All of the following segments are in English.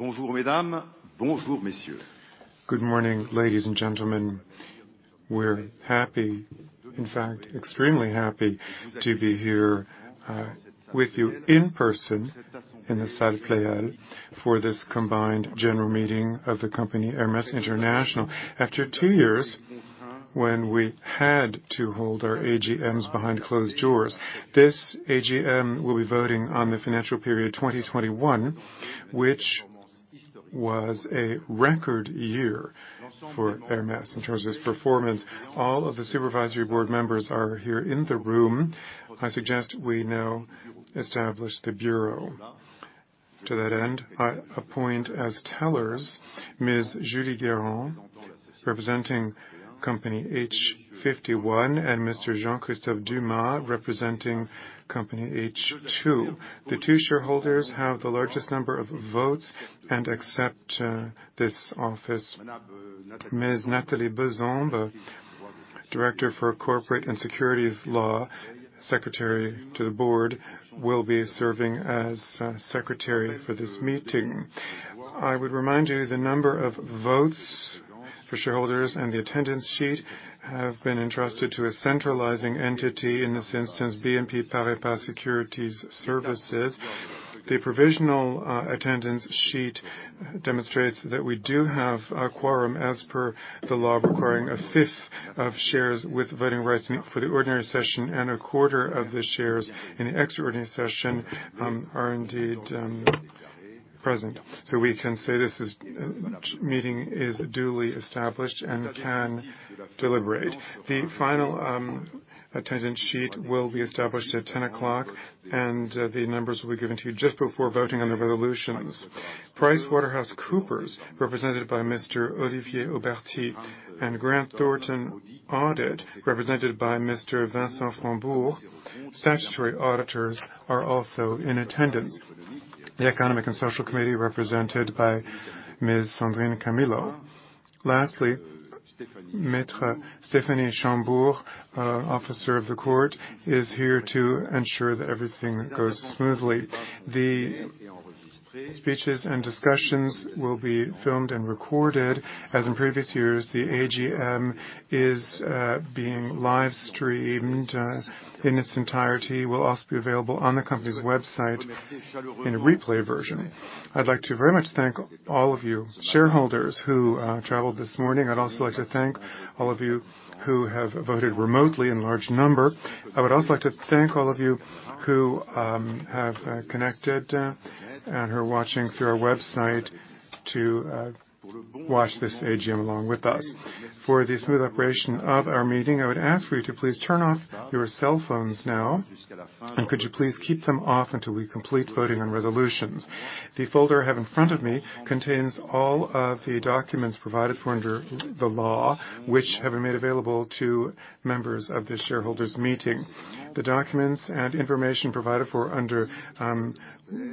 Good morning, ladies and gentlemen. We're happy, in fact, extremely happy to be here with you in person in the Salle Pleyel for this combined general meeting of the company Hermès International. After two years when we had to hold our AGMs behind closed doors, this AGM will be voting on the financial period 2021, which was a record year for Hermès in terms of its performance. All of the supervisory board members are here in the room. I suggest we now establish the bureau. To that end, I appoint as tellers Ms. Julie Guerrand, representing company H51, and Mr. Jean-Christophe Dumas, representing company H2. The two shareholders have the largest number of votes and accept this office. Ms. Nathalie Besombes, director for corporate and securities law, secretary to the board, will be serving as secretary for this meeting. I would remind you, the number of votes for shareholders and the attendance sheet have been entrusted to a centralizing entity, in this instance, BNP Paribas Securities Services. The provisional attendance sheet demonstrates that we do have a quorum as per the law requiring a fifth of shares with voting rights for the ordinary session and a quarter of the shares in the extraordinary session are indeed present. We can say this meeting is duly established and can deliberate. The final attendance sheet will be established at 10:00 A.M., and the numbers will be given to you just before voting on the resolutions. PricewaterhouseCoopers, represented by Mr. Olivier Aubert, and Grant Thornton Audit, represented by Mr. Vincent Frambourt, statutory auditors, are also in attendance. The Economic and Social Committee, represented by Ms. Sandrine Camilo. Lastly, Maître Stéphanie Chambure, officer of the court, is here to ensure that everything goes smoothly. The speeches and discussions will be filmed and recorded. As in previous years, the AGM is being live streamed in its entirety, will also be available on the company's website in a replay version. I'd like to very much thank all of you shareholders who traveled this morning. I'd also like to thank all of you who have voted remotely in large number. I would also like to thank all of you who have connected and are watching through our website to watch this AGM along with us. For the smooth operation of our meeting, I would ask for you to please turn off your cell phones now, and could you please keep them off until we complete voting on resolutions. The folder I have in front of me contains all of the documents provided for under the law, which have been made available to members of the shareholders meeting. The documents and information provided for under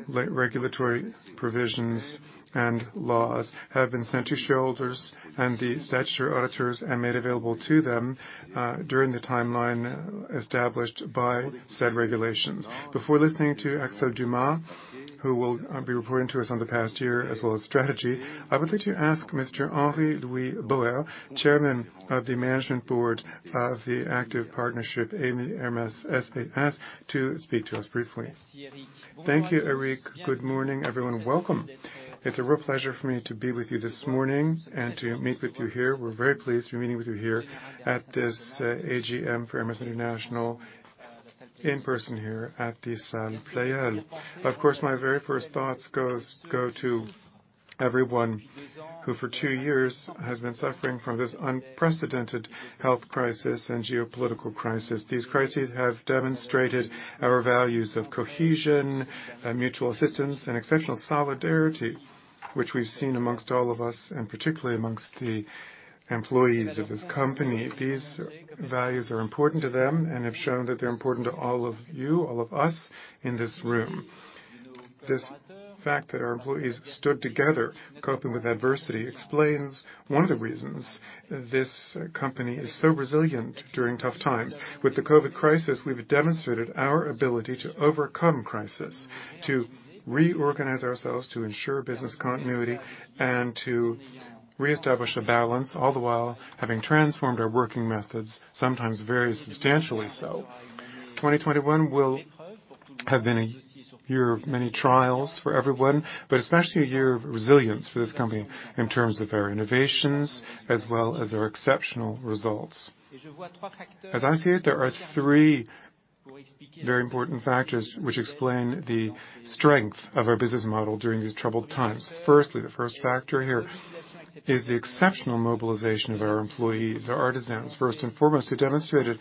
regulatory provisions and laws have been sent to shareholders and the statutory auditors and made available to them during the timeline established by said regulations. Before listening to Axel Dumas, who will be reporting to us on the past year as well as strategy, I would like to ask Mr. Henri-Louis Bauer, Chairman of the management board of Émile Hermès SAS, to speak to us briefly. Thank you, Eric. Good morning, everyone. Welcome. It's a real pleasure for me to be with you this morning and to meet with you here. We're very pleased to be meeting with you here at this AGM for Hermès International in person here at the Salle Pleyel. Of course, my very first thoughts go to everyone who for two years has been suffering from this unprecedented health crisis and geopolitical crisis. These crises have demonstrated our values of cohesion and mutual assistance and exceptional solidarity, which we've seen amongst all of us, and particularly amongst the employees of this company. These values are important to them and have shown that they're important to all of you, all of us in this room. This fact that our employees stood together coping with adversity explains one of the reasons this company is so resilient during tough times. With the COVID crisis, we've demonstrated our ability to overcome crisis, to reorganize ourselves, to ensure business continuity, and to reestablish a balance, all the while having transformed our working methods, sometimes very substantially so. 2021 will have been a year of many trials for everyone, but especially a year of resilience for this company in terms of our innovations as well as our exceptional results. As I see it, there are three very important factors which explain the strength of our business model during these troubled times. Firstly, the first factor here is the exceptional mobilization of our employees, our artisans, first and foremost, who demonstrated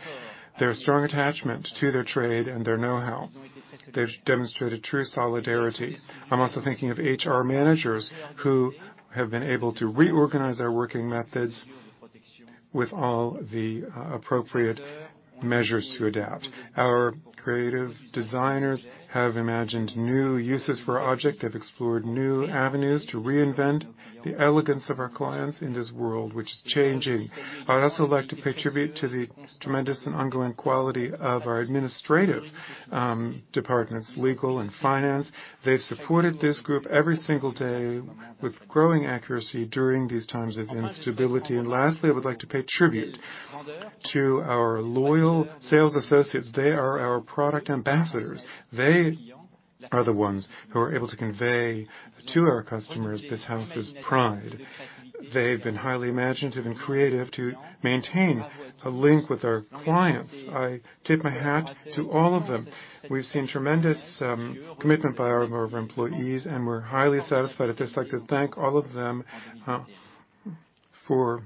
their strong attachment to their trade and their know-how. They've demonstrated true solidarity. I'm also thinking of HR managers who have been able to reorganize our working methods with all the appropriate measures to adapt. Our creative designers have imagined new uses for our object. They've explored new avenues to reinvent the elegance of our clients in this world which is changing. I'd also like to pay tribute to the tremendous and ongoing quality of our administrative departments, legal and finance. They've supported this group every single day with growing accuracy during these times of instability. Lastly, I would like to pay tribute to our loyal sales associates. They are our product ambassadors. They are the ones who are able to convey to our customers this house's pride. They've been highly imaginative and creative to maintain a link with our clients. I tip my hat to all of them. We've seen tremendous commitment by our employees, and we're highly satisfied. I'd just like to thank all of them, for,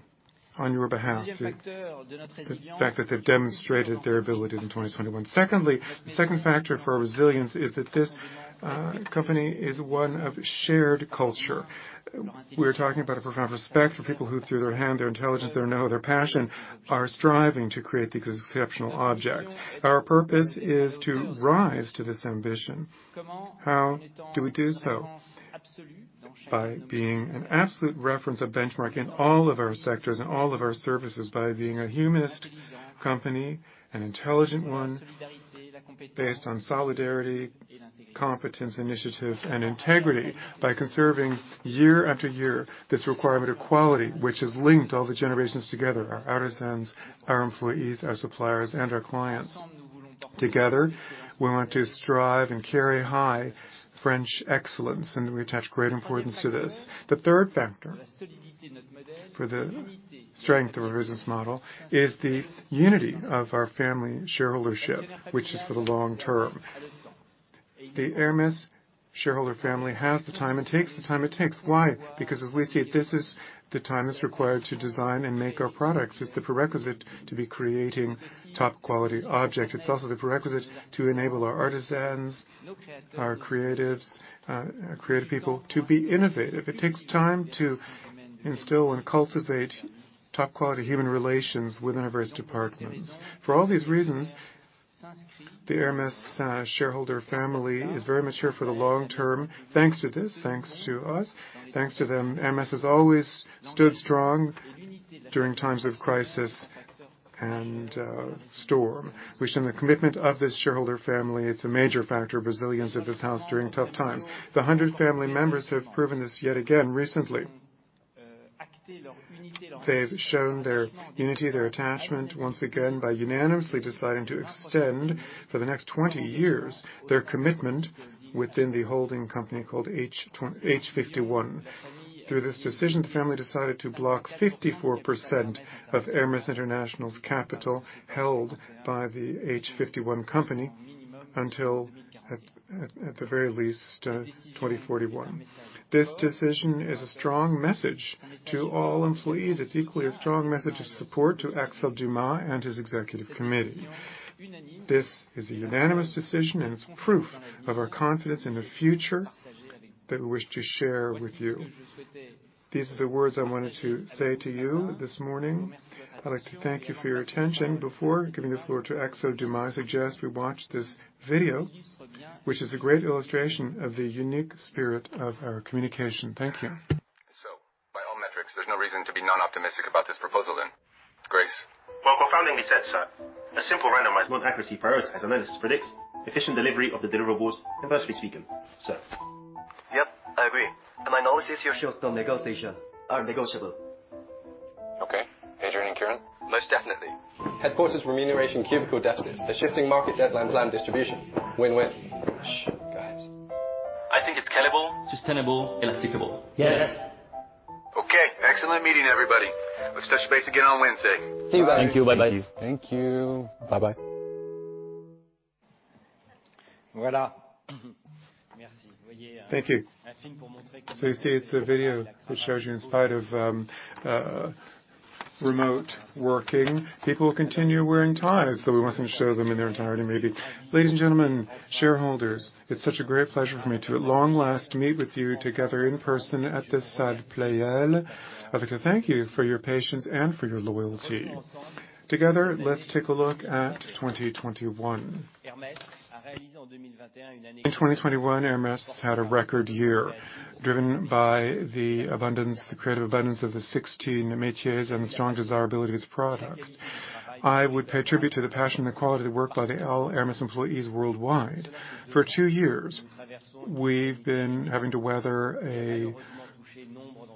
on your behalf, the fact that they've demonstrated their abilities in 2021. Secondly, the second factor for our resilience is that this company is one of shared culture. We're talking about a profound respect for people who through their hand, their intelligence, their know-how, their passion, are striving to create these exceptional objects. Our purpose is to rise to this ambition. How do we do so? By being an absolute reference, a benchmark, in all of our sectors and all of our services by being a humanist company, an intelligent one based on solidarity, competence, initiative, and integrity. By conserving year after year this requirement of quality which has linked all the generations together, our artisans, our employees, our suppliers, and our clients. Together, we want to strive and carry high French excellence, and we attach great importance to this. The third factor for the strength of our business model is the unity of our family shareholdership, which is for the long term. The Hermès shareholder family has the time it takes, the time it takes. Why? Because as we see it, this is the time that's required to design and make our products. It's the prerequisite to be creating top-quality objects. It's also the prerequisite to enable our artisans, our creatives, creative people to be innovative. It takes time to instill and cultivate top-quality human relations within our various departments. For all these reasons, the Hermès shareholder family is very mature for the long term. Thanks to this, thanks to us, thanks to them, Hermès has always stood strong during times of crisis and storm. We've seen the commitment of this shareholder family. It's a major factor of resilience of this house during tough times. The 100 family members have proven this yet again recently. They've shown their unity, their attachment, once again by unanimously deciding to extend for the next 20 years their commitment within the holding company called H51. Through this decision, the family decided to block 54% of Hermès International's capital held by the H51 company until, at the very least, 2041. This decision is a strong message to all employees. It's equally a strong message of support to Axel Dumas and his executive committee. This is a unanimous decision, and it's proof of our confidence in the future that we wish to share with you. These are the words I wanted to say to you this morning. I'd like to thank you for your attention. Before giving the floor to Axel Dumas, I suggest we watch this video, which is a great illustration of the unique spirit of our communication. Thank you. By all metrics, there's no reason to be non-optimistic about this proposal then. Grace? Well, confirmingly said, sir. A simple randomized non-accuracy priority as analysis predicts. Efficient delivery of the deliverables, conversely speaking, sir. Yep, I agree. My analysis here shows the negotiations are negotiable. Okay. Adrian and Kieran? Most definitely. Headquarters remuneration committee deficits. A shifting market deadline plan distribution. Win-win. Shh, guys. I think it's scalable, sustainable, and applicable. Yes. Okay. Excellent meeting, everybody. Let's touch base again on Wednesday. See you, bye. Thank you. Bye-bye. Thank you. Thank you. Bye-bye. Thank you. You see it's a video that shows you in spite of remote working, people continue wearing ties, though we mustn't show them in their entirety, maybe. Ladies and gentlemen, shareholders, it's such a great pleasure for me to at long last meet with you together in person at this Salle Pleyel. I'd like to thank you for your patience and for your loyalty. Together, let's take a look at 2021. In 2021, Hermès had a record year, driven by the abundance, the creative abundance of the 16 métiers and the strong desirability of its products. I would pay tribute to the passion and the quality of the work by all Hermès employees worldwide. For two years, we've been having to weather a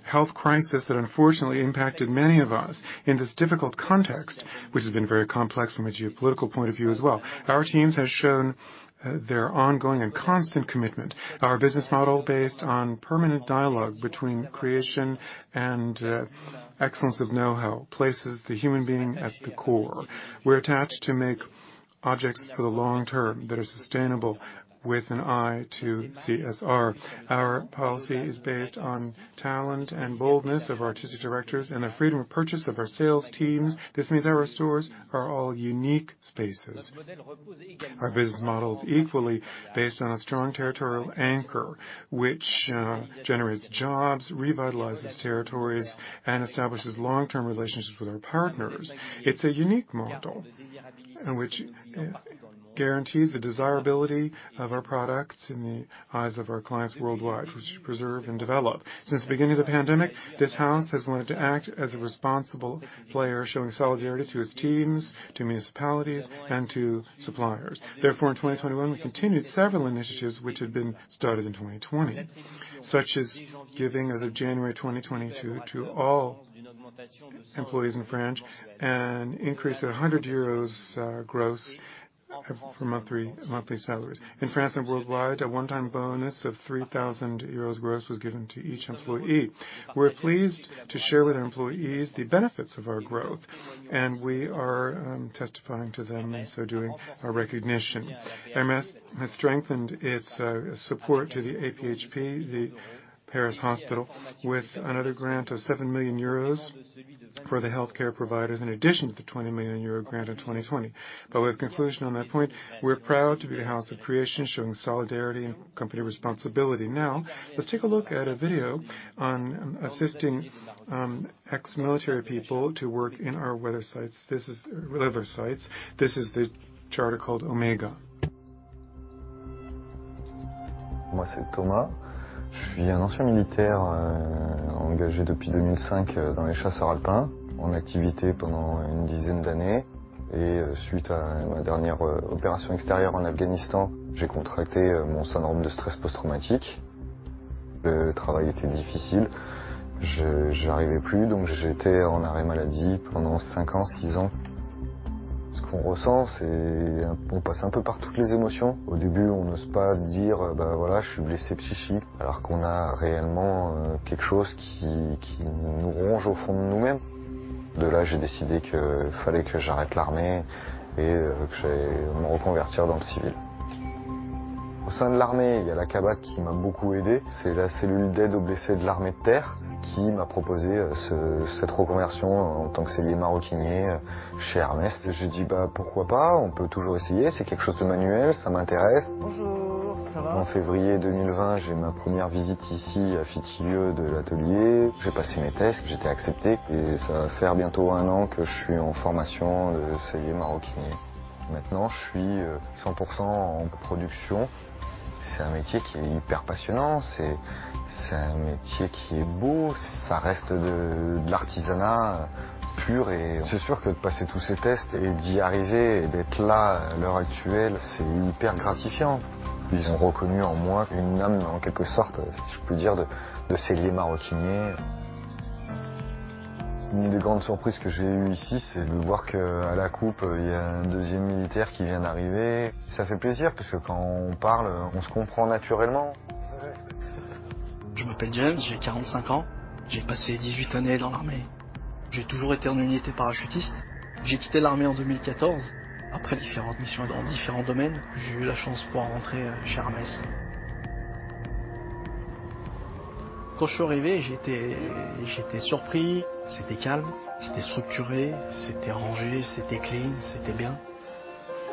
health crisis that unfortunately impacted many of us. In this difficult context, which has been very complex from a geopolitical point of view as well, our teams have shown their ongoing and constant commitment. Our business model based on permanent dialogue between creation and excellence of know-how places the human being at the core. We're attached to make objects for the long term that are sustainable with an eye to CSR. Our policy is based on talent and boldness of our artistic directors and the freedom of purchase of our sales teams. This means our stores are all unique spaces. Our business model is equally based on a strong territorial anchor, which generates jobs, revitalizes territories, and establishes long-term relationships with our partners. It's a unique model, in which guarantees the desirability of our products in the eyes of our clients worldwide, which we preserve and develop. Since the beginning of the pandemic, this house has wanted to act as a responsible player, showing solidarity to its teams, to municipalities, and to suppliers. Therefore, in 2021, we continued several initiatives which had been started in 2020, such as giving, as of January 2022, to all employees in France an increase of EUR 100 gross per monthly salaries. In France and worldwide, a one-time bonus of 3,000 euros gross was given to each employee. We're pleased to share with our employees the benefits of our growth, and we are testifying to them and so doing our recognition. Hermès has strengthened its support to the AP-HP, the Paris Hospital, with another grant of 7 million euros for the healthcare providers in addition to the 20 million euro grant in 2020. By way of conclusion on that point, we're proud to be the house of creation showing solidarity and company responsibility. Now, let's take a look at a video on assisting ex-military people to work in our leather sites. This is the charter called Oméga. Moi, c'est Thomas. Je suis un ancien militaire, engagé depuis 2005 dans les chasseurs alpins, en activité pendant 10 ans. Suite à ma dernière opération extérieure en Afghanistan, j'ai contracté mon syndrome de stress post-traumatique. Le travail était difficile. Je n'y arrivais plus, donc j'étais en arrêt maladie pendant 5 ans, 6 ans. Ce qu'on ressent, c'est qu'on passe un peu par toutes les émotions. Au début, on n'ose pas dire: Ben voilà, je suis blessé psychique, alors qu'on a réellement quelque chose qui nous ronge au fond de nous-mêmes. De là, j'ai décidé qu'il fallait que j'arrête l'armée et que j'aille me reconvertir dans le civil. Au sein de l'armée, il y a la CABAT qui m'a beaucoup aidé. C'est la cellule d'aide aux blessés de l'armée de terre qui m'a proposé cette reconversion en tant que sellier maroquinier chez Hermès. J'ai dit: Ben pourquoi pas? On peut toujours essayer. C'est quelque chose de manuel, ça m'intéresse. Bonjour, ça va? En février 2020, j'ai ma première visite ici à Fitilieu, de l'atelier. J'ai passé mes tests, j'ai été accepté et ça va faire bientôt un an que je suis en formation de sellier maroquinier. Maintenant, je suis 100% en production. C'est un métier qui est hyper passionnant. C'est un métier qui est beau. Ça reste de l'artisanat pur. C'est sûr que de passer tous ces tests et d'y arriver et d'être là à l'heure actuelle, c'est hyper gratifiant. Ils ont reconnu en moi une âme, en quelque sorte, si je peux dire, de sellier maroquinier. Une des grandes surprises que j'ai eues ici, c'est de voir qu'à la coupe, il y a un deuxième militaire qui vient d'arriver. Ça fait plaisir puisque quand on parle, on se comprend naturellement. Je m'appelle James, j'ai 45 ans. J'ai passé 18 années dans l'armée. J'ai toujours été en unité parachutiste. J'ai quitté l'armée en 2014. Après différentes missions dans différents domaines, j'ai eu la chance de pouvoir rentrer chez Hermès. Quand je suis arrivé, j'étais surpris. C'était calme, c'était structuré, c'était rangé, c'était clean, c'était bien.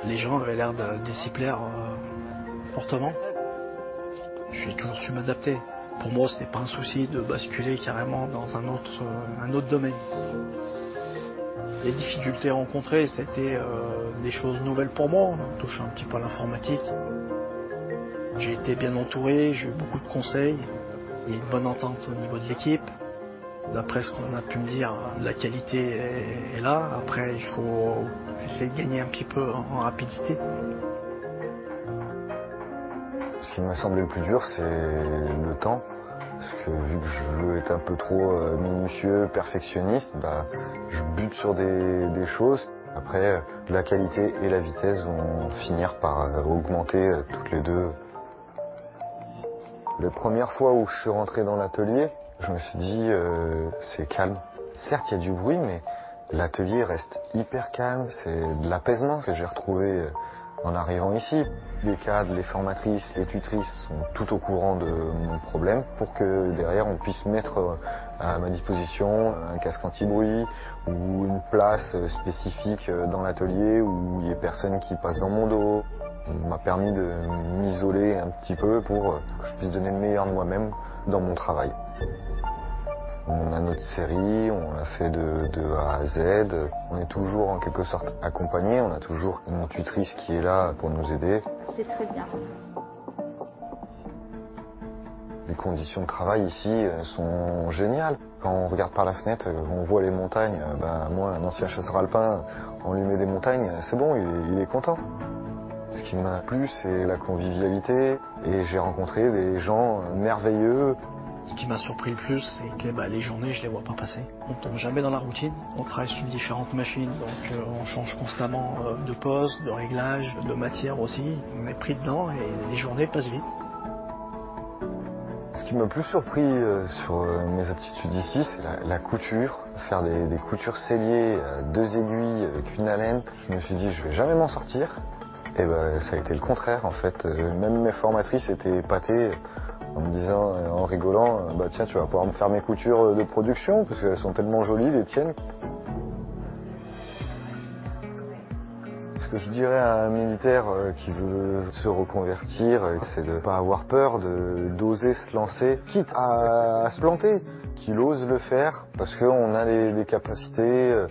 Les gens avaient l'air de s'y plaire fortement. J'ai toujours su m'adapter. Pour moi, ce n'est pas un souci de basculer carrément dans un autre domaine. Les difficultés rencontrées, c'était des choses nouvelles pour moi. On touche un petit peu à l'informatique. J'ai été bien entouré, j'ai eu beaucoup de conseils. Il y a une bonne entente au niveau de l'équipe. D'après ce qu'on a pu me dire, la qualité est là. Après, il faut essayer de gagner un petit peu en rapidité. Ce qui m'a semblé le plus dur, c'est le temps. Parce que vu que je veux être un peu trop minutieux, perfectionniste, ben je bute sur des choses. Après, la qualité et la vitesse vont finir par augmenter toutes les deux. La première fois où je suis rentré dans l'atelier, je me suis dit: c'est calme. Certes, il y a du bruit, mais l'atelier reste hyper calme. C'est de l'apaisement que j'ai retrouvé en arrivant ici. Les cadres, les formatrices, les tutrices sont toutes au courant de mon problème pour que derrière, on puisse mettre à ma disposition un casque antibruit ou une place spécifique dans l'atelier où il n'y ait personne qui passe dans mon dos. On m'a permis de m'isoler un petit peu pour que je puisse donner le meilleur de moi-même dans mon travail. On a notre série, on la fait de A à Z. On est toujours en quelque sorte accompagné. On a toujours notre tutrice qui est là pour nous aider. C'est très bien. Les conditions de travail ici sont géniales. Quand on regarde par la fenêtre, on voit les montagnes. Ben moi, un ancien chasseur alpin, on lui met des montagnes, c'est bon, il est content. Ce qui m'a plu, c'est la convivialité. Et j'ai rencontré des gens merveilleux. Ce qui m'a surpris le plus, c'est que, les journées, je les vois pas passer. On tombe jamais dans la routine. On travaille sur différentes machines, donc on change constamment de poste, de réglage, de matière aussi. On est pris dedans et les journées passent vite. Ce qui m'a le plus surpris sur mes aptitudes ici, c'est la couture. Faire des coutures sellier à deux aiguilles avec une alène. Je me suis dit: Je vais jamais m'en sortir. Eh ben, ça a été le contraire. En fait, même mes formatrices étaient épatées en me disant en rigolant: Ben tiens, tu vas pouvoir me faire mes coutures de production parce qu'elles sont tellement jolies, les tiennes. Ce que je dirais à un militaire qui veut se reconvertir, c'est de ne pas avoir peur, de oser se lancer, quitte à se planter, qu'il ose le faire parce qu'on a les capacités,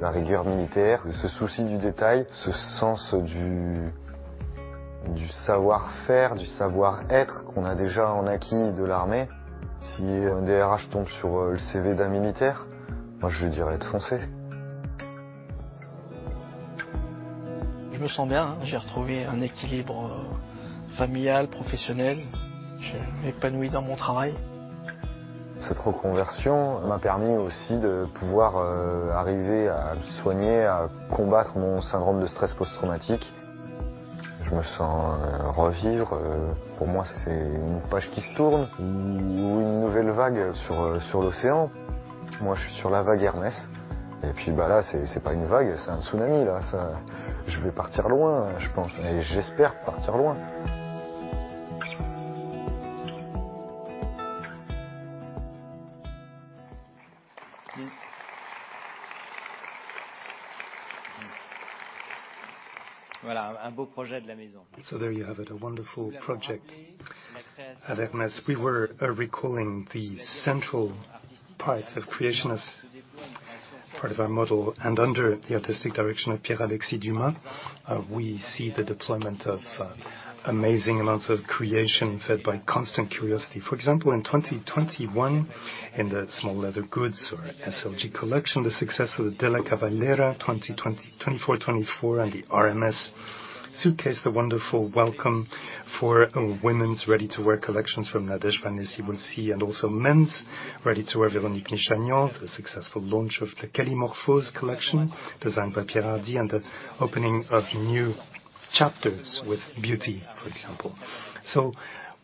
la rigueur militaire, ce souci du détail, ce sens du savoir-faire, du savoir-être qu'on a déjà en acquis de l'armée. Si un DRH tombe sur le CV d'un militaire, moi, je lui dirai de foncer. Je me sens bien. J'ai retrouvé un équilibre familial, professionnel. Je m'épanouis dans mon travail. Cette reconversion m'a permis aussi de pouvoir arriver à me soigner, à combattre mon syndrome de stress post-traumatique. Je me sens revivre. Pour moi, c'est une page qui se tourne ou une nouvelle vague sur l'océan. Moi, je suis sur la vague Hermès. Et puis là, c'est pas une vague, c'est un tsunami. Je vais partir loin, je pense, et j'espère partir loin. Voilà, un beau projet de la maison. There you have it, a wonderful project at Hermès. We were recalling the central part of creation as part of our model. Under the artistic direction of Pierre-Alexis Dumas, we see the deployment of amazing amounts of creation fed by constant curiosity. For example, in 2021, in the small leather goods or SLG collection, the success of the Della Cavalleria 2020-2024 and the R.M.S. suitcase, the wonderful welcome for women's ready-to-wear collections from Nadège Vanhee-Cybulski and also men's ready-to-wear Véronique Nichanian, the successful launch of the Kellymorphose collection designed by Pierre Hardy, and the opening of new chapters with beauty, for example.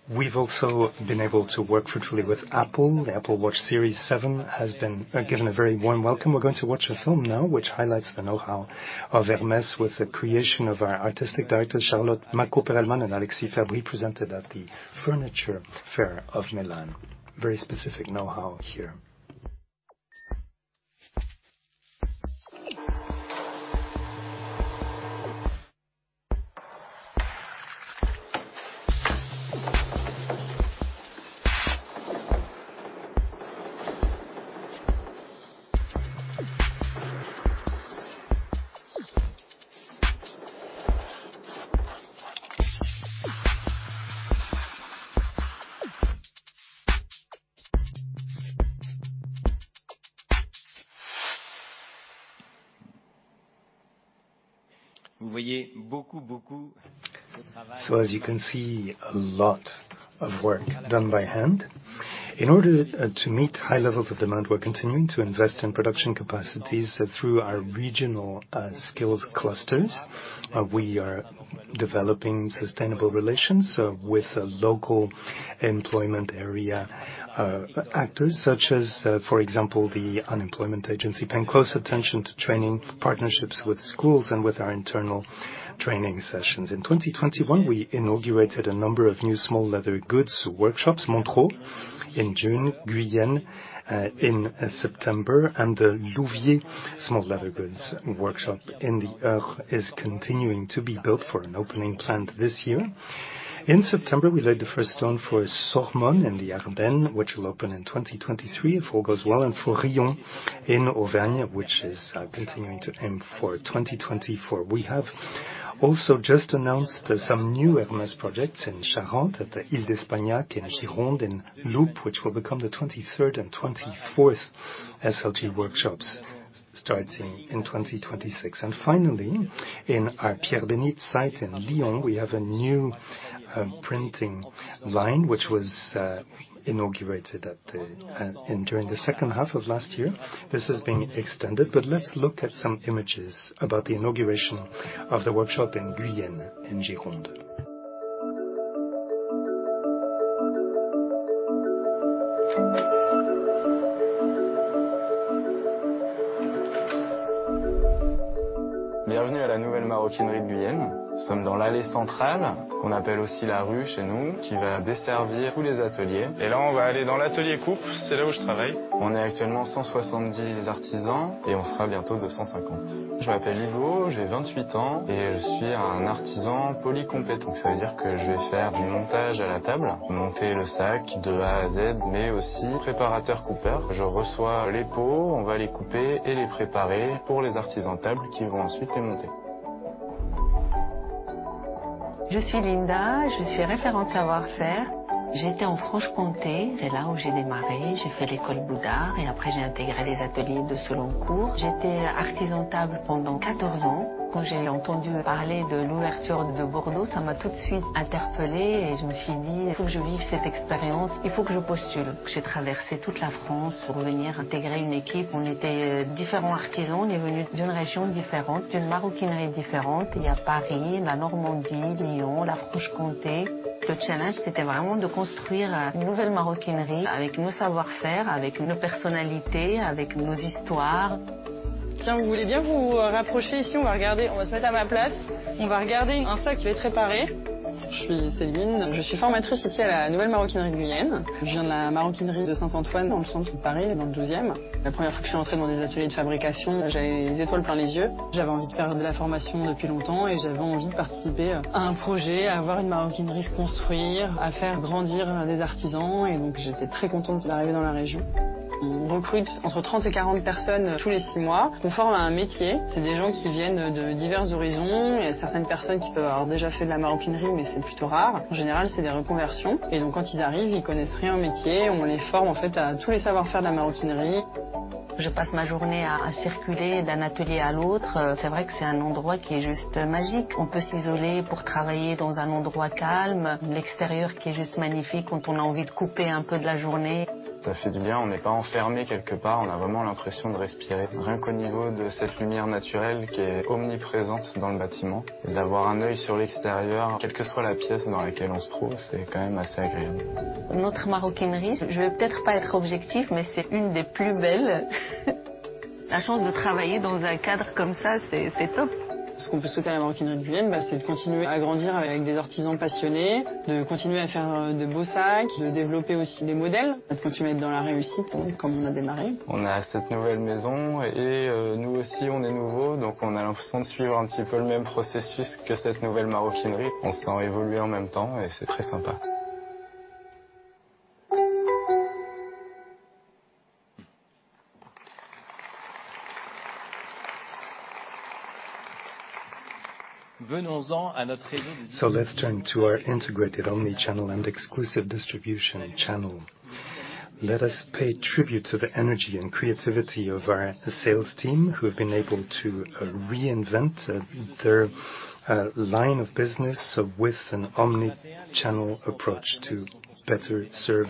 We've also been able to work fruitfully with Apple. The Apple Watch Series 7 has been given a very warm welcome. We're going to watch a film now which highlights the know-how of Hermès with the creation of our artistic director, Charlotte Macaux-Perelman and Alexis Fabry, presented at the Furniture Fair of Milan. Very specific know-how here. Vous voyez beaucoup de travail. As you can see, a lot of work done by hand. In order to meet high levels of demand, we're continuing to invest in production capacities through our regional skills clusters. We are developing sustainable relations with local employment area actors such as, for example, the unemployment agency, paying close attention to training, partnerships with schools, and with our internal training sessions. In 2021, we inaugurated a number of new small leather goods workshops, Montereau in June, Guyenne in September, and the Louviers small leather goods workshop in the Eure is continuing to be built for an opening planned this year. In September, we laid the first stone for Sormonne in the Ardennes, which will open in 2023, if all goes well, and for Riom in Auvergne, which is continuing to aim for 2024. We have also just announced some new Hermès projects in Charente at the L'Isle-d'Espagnac, in Gironde, in Loupes, which will become the 23rd and 24th SLG workshops starting in 2026. Finally, in our Pierre-Bénite site in Lyon, we have a new printing line which was inaugurated during the second half of last year. This has been extended, but let's look at some images about the inauguration of the workshop in Guyenne, in Gironde. Bienvenue à la nouvelle Maroquinerie de Guyenne. Nous sommes dans l'allée centrale, qu'on appelle aussi la rue chez nous, qui va desservir tous les ateliers. Là, on va aller dans l'atelier coupe. C'est là où je travaille. On est actuellement 170 artisans et on sera bientôt 250. Je m'appelle Ivo, j'ai 28 ans et je suis un artisan polycompétent. Ça veut dire que je vais faire du montage à la table, monter le sac de A à Z, mais aussi préparateur coupeur. Je reçois les peaux, on va les couper et les préparer pour les artisans de table qui vont ensuite les monter. Je suis Linda, je suis référente savoir-faire. J'étais en Franche-Comté, c'est là où j'ai démarré. J'ai fait l'École Boulle et après, j'ai intégré les ateliers de Seloncourt. J'étais artisan de table pendant quatorze ans. Quand j'ai entendu parler de l'ouverture de Bordeaux, ça m'a tout de suite interpellée et je me suis dit: Il faut que je vive cette expérience, il faut que je postule. J'ai traversé toute la France pour venir intégrer une équipe. On était différents artisans. On est venus d'une région différente, d'une maroquinerie différente. Il y a Paris, la Normandie, Lyon, la Franche-Comté. Le challenge, c'était vraiment de construire une nouvelle maroquinerie avec nos savoir-faire, avec nos personnalités, avec nos histoires. Tiens, vous voulez bien vous rapprocher ici? On va regarder, on va se mettre à ma place. On va regarder un sac qui va être réparé. Je suis Céline, je suis formatrice ici à la nouvelle Maroquinerie de Guyenne. Je viens de la maroquinerie de Saint-Antoine, dans le centre de Paris, dans le douzième. La première fois que je suis entrée dans des ateliers de fabrication, j'avais les étoiles plein les yeux. J'avais envie de faire de la formation depuis longtemps et j'avais envie de participer à un projet, à voir une maroquinerie se construire, à faire grandir des artisans. J'étais très contente d'arriver dans la région. On recrute entre 30 et 40 personnes tous les 6 mois. On forme à un métier. C'est des gens qui viennent de divers horizons. Il y a certaines personnes qui peuvent avoir déjà fait de la maroquinerie, mais c'est plutôt rare. En général, c'est des reconversions. Et donc quand ils arrivent, ils connaissent rien au métier. On les forme en fait à tous les savoir-faire de la maroquinerie. Je passe ma journée à circuler d'un atelier à l'autre. C'est vrai que c'est un endroit qui est juste magique. On peut s'isoler pour travailler dans un endroit calme, l'extérieur qui est juste magnifique quand on a envie de couper un peu de la journée. Ça fait du bien, on n'est pas enfermé quelque part. On a vraiment l'impression de respirer. Rien qu'au niveau de cette lumière naturelle qui est omniprésente dans le bâtiment. D'avoir un œil sur l'extérieur, quelle que soit la pièce dans laquelle on se trouve, c'est quand même assez agréable. Notre maroquinerie, je vais peut-être pas être objective, mais c'est une des plus belles. La chance de travailler dans un cadre comme ça, c'est top. Ce qu'on peut souhaiter à la Maroquinerie de Guyenne, ben, c'est de continuer à grandir avec des artisans passionnés, de continuer à faire de beaux sacs, de développer aussi des modèles, de continuer d'être dans la réussite comme on a démarré. On a cette nouvelle maison et nous aussi, on est nouveaux. Donc on a l'impression de suivre un petit peu le même processus que cette nouvelle maroquinerie. On se sent évoluer en même temps et c'est très sympa. Venons-en à notre réseau. Let's turn to our integrated omnichannel and exclusive distribution channel. Let us pay tribute to the energy and creativity of our sales team, who have been able to reinvent their line of business with an omnichannel approach to better serve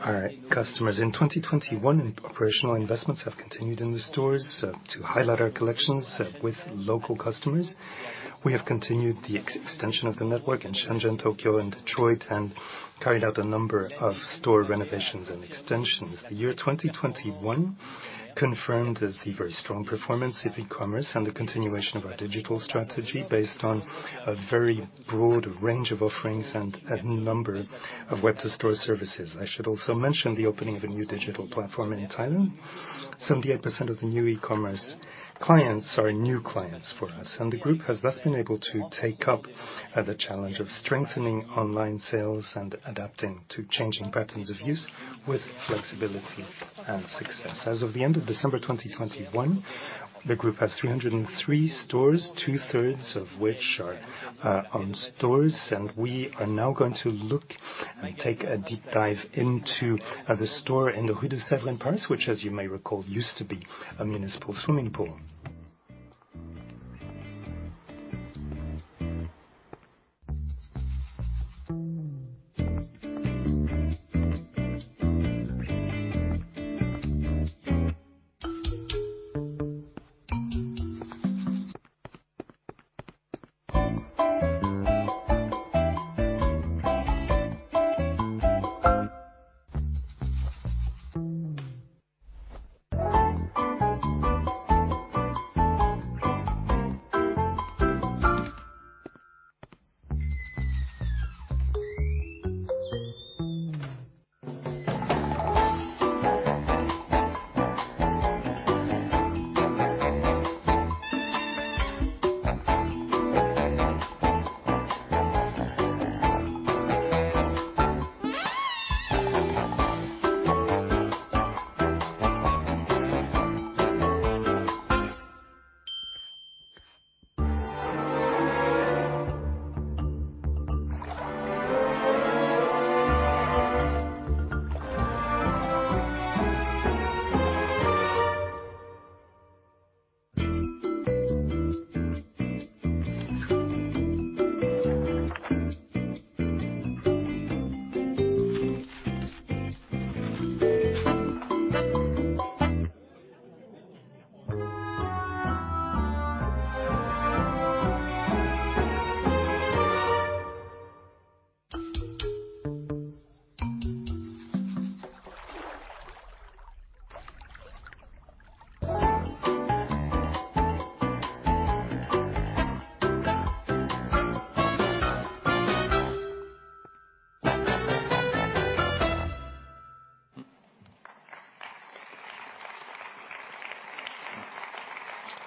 our customers. In 2021, operational investments have continued in the stores to highlight our collections with local customers. We have continued the extension of the network in Shenzhen, Tokyo and Detroit, and carried out a number of store renovations and extensions. The year 2021 confirmed the very strong performance of e-commerce and the continuation of our digital strategy based on a very broad range of offerings and a number of web-to-store services. I should also mention the opening of a new digital platform in Thailand. 78% of the new e-commerce clients are new clients for us, and the group has thus been able to take up the challenge of strengthening online sales and adapting to changing patterns of use with flexibility and success. As of the end of December 2021, the group has 303 stores, 2/3 of which are own stores. We are now going to look and take a deep dive into the store in the Rue du Sèvres in Paris, which, as you may recall, used to be a municipal swimming pool.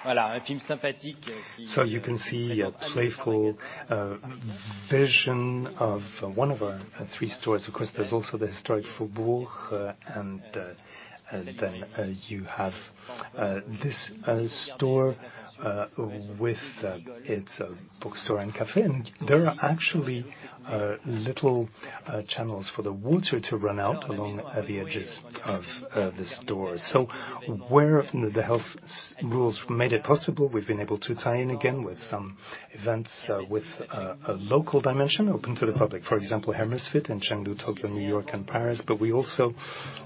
Voilà, un film sympathique.] You can see a playful vision of one of our three stores. Of course, there's also the historic Faubourg, and then you have this store with its bookstore and café. There are actually little channels for the water to run out along the edges of this store. Where the health rules made it possible, we've been able to tie in again with some events with a local dimension open to the public, for example, HermèsFit in Chengdu, Tokyo, New York and Paris. We also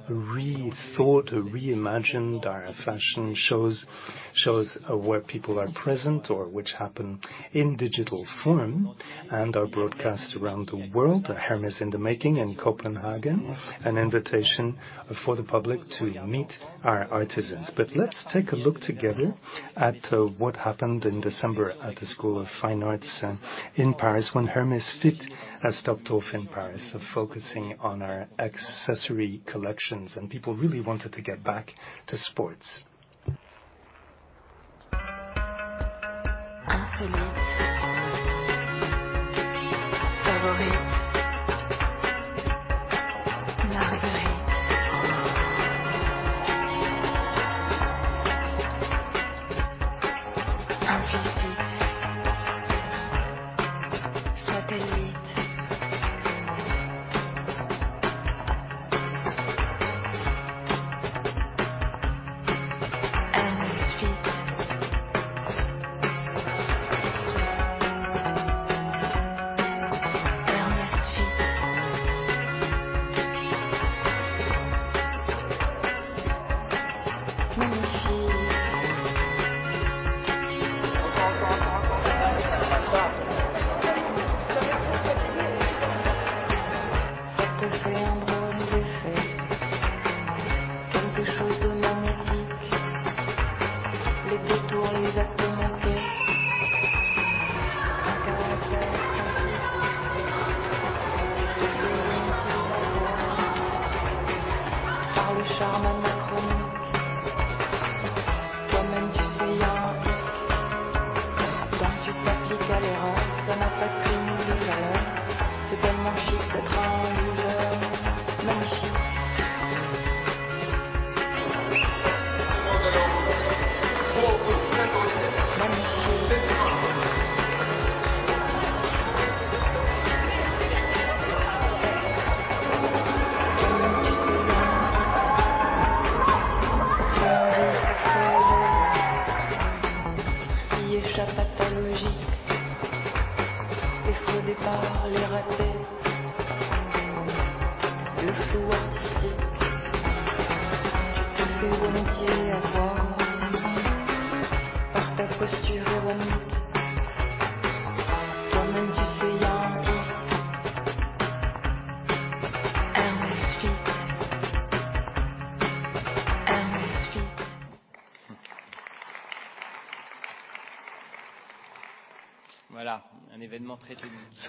rethought or reimagined our fashion shows where people are present or which happen in digital form and are broadcast around the world. Hermès in the Making in Copenhagen, an invitation for the public to meet our artisans. Let's take a look together at what happened in December at the School of Fine Arts in Paris when HermèsFit has stopped off in Paris, focusing on our accessory collections, and people really wanted to get back to sports.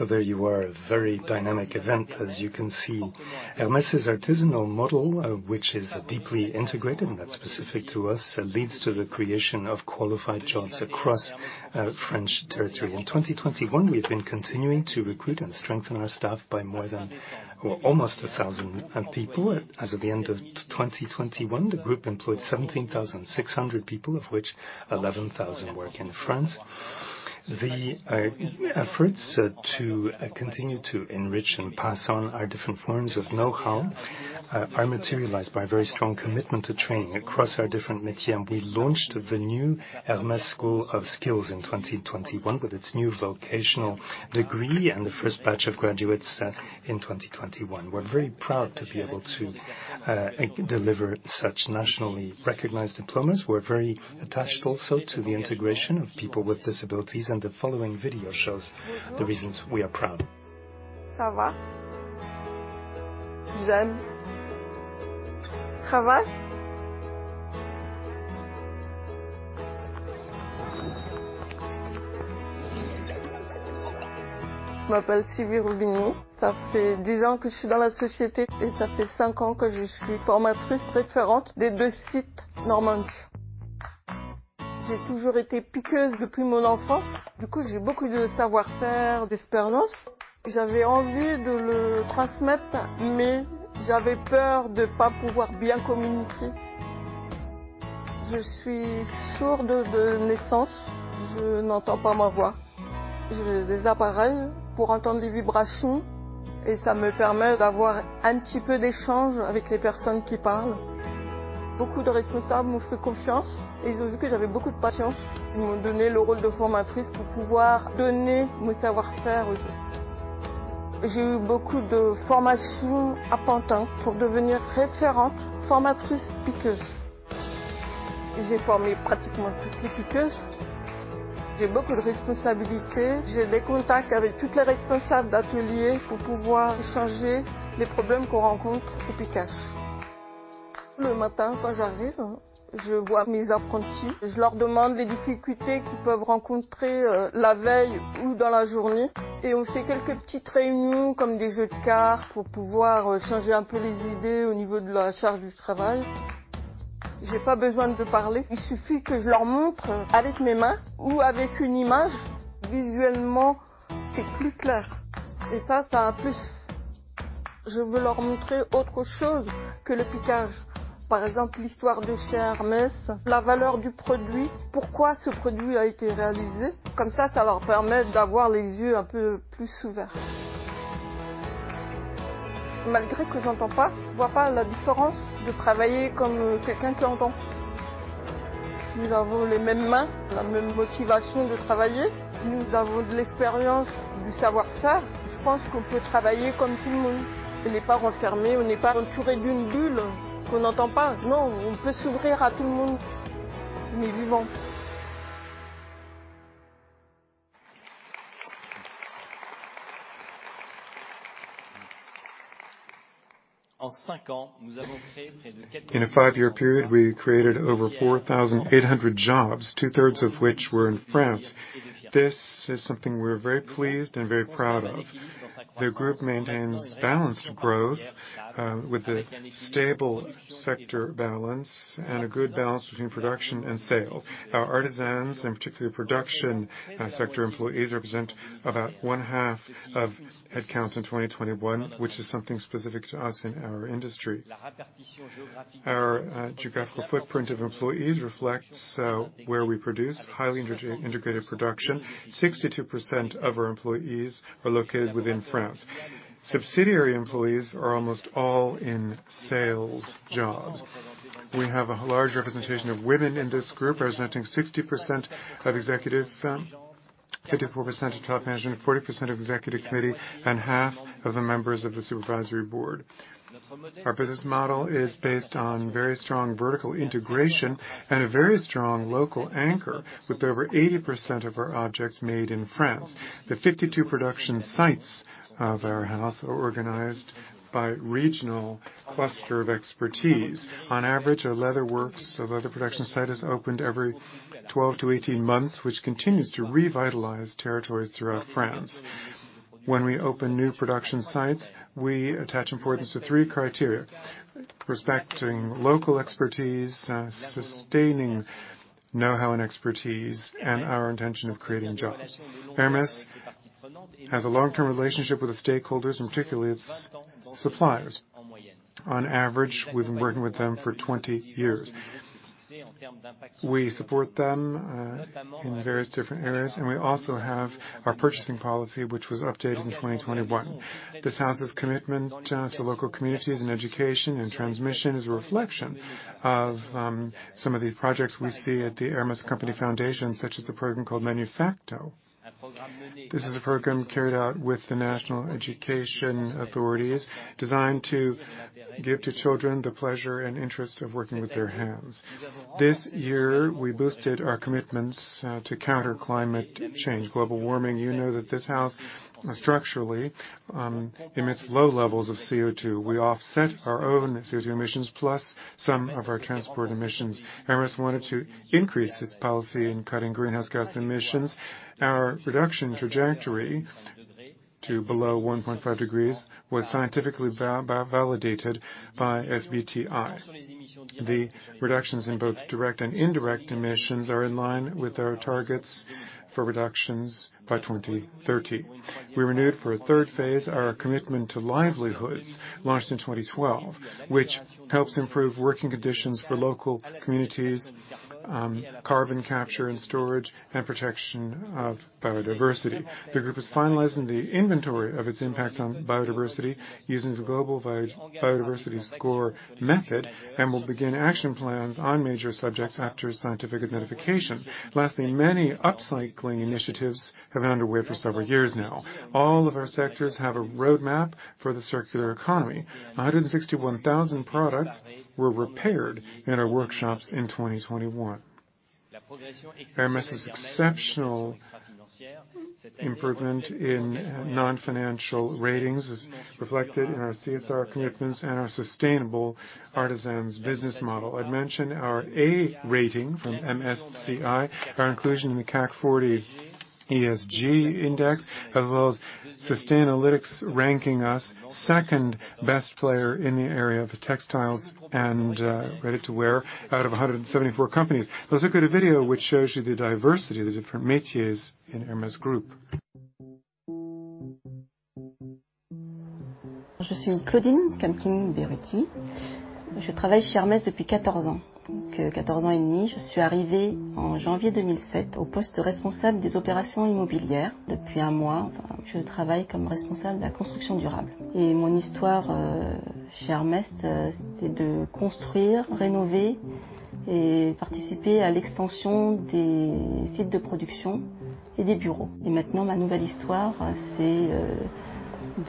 There you are, a very dynamic event, as you can see. Hermès' artisanal model, which is deeply integrated and that's specific to us, leads to the creation of qualified jobs across French territory. In 2021, we have been continuing to recruit and strengthen our staff by more than almost 1,000 people. As of the end of 2021, the group employed 17,600 people, of which 11,000 work in France. The efforts to continue to enrich and pass on our different forms of know-how are materialized by a very strong commitment to training across our different métier. We launched the new École Hermès des savoir-faire in 2021, with its new vocational degree and the first batch of graduates in 2021. We're very proud to be able to deliver such nationally recognized diplomas. We're very attached also to the integration of people with disabilities, and the following video shows the reasons we are proud. In a five-year period, we created over 4,800 jobs, 2/3 of which were in France. This is something we're very pleased and very proud of. The group maintains balanced growth, with a stable sector balance and a good balance between production and sales. Our artisans, and particularly production sector employees, represent about one half of headcount in 2021, which is something specific to us in our industry. Our geographical footprint of employees reflects where we produce highly integrated production. 62% of our employees are located within France. Subsidiary employees are almost all in sales jobs. We have a large representation of women in this group, representing 60% of executive fam. 54% of top management, 40% of Executive Committee, and half of the members of the Supervisory Board. Our business model is based on very strong vertical integration and a very strong local anchor, with over 80% of our objects made in France. The 52 production sites of our house are organized by regional cluster of expertise. On average, a leather works, a leather production site, is opened every 12-18 months, which continues to revitalize territories throughout France. When we open new production sites, we attach importance to three criteria, respecting local expertise, sustaining know-how and expertise, and our intention of creating jobs. Hermès has a long-term relationship with the stakeholders, and particularly its suppliers. On average, we've been working with them for 20 years. We support them in various different areas, and we also have our purchasing policy, which was updated in 2021. This house's commitment to local communities and education and transmission is a reflection of some of the projects we see at the Fondation d'entreprise Hermès, such as the program called Manufacto. This is a program carried out with the national education authorities designed to give to children the pleasure and interest of working with their hands. This year, we boosted our commitments to counter climate change, global warming. You know that this house structurally emits low levels of CO2. We offset our own CO2 emissions plus some of our transport emissions. Hermès wanted to increase its policy in cutting greenhouse gas emissions. Our reduction trajectory to below 1.5 degrees was scientifically validated by SBTi. The reductions in both direct and indirect emissions are in line with our targets for reductions by 2030. We renewed for a third phase our commitment to Livelihoods launched in 2012, which helps improve working conditions for local communities, carbon capture and storage, and protection of biodiversity. The group is finalizing the inventory of its impacts on biodiversity using the Global Biodiversity Score method and will begin action plans on major subjects after scientific identification. Lastly, many upcycling initiatives have been underway for several years now. All of our sectors have a roadmap for the circular economy. 161,000 products were repaired in our workshops in 2021. Hermès' exceptional improvement in non-financial ratings is reflected in our CSR commitments and our sustainable artisans business model. I'd mention our A rating from MSCI, our inclusion in the CAC 40 ESG index, as well as Sustainalytics ranking us second-best player in the area of textiles and ready-to-wear out of 174 companies. Let's look at a video which shows you the diversity of the different métiers in Hermès Group. Je suis Claudine Khamkhing-Béruti. Je travaille chez Hermès depuis 14 ans, donc 14 ans et demi. Je suis arrivée en janvier 2007 au poste de responsable des opérations immobilières. Depuis un mois, je travaille comme responsable de la construction durable. Mon histoire chez Hermès, c'était de construire, rénover et participer à l'extension des sites de production et des bureaux. Maintenant, ma nouvelle histoire, c'est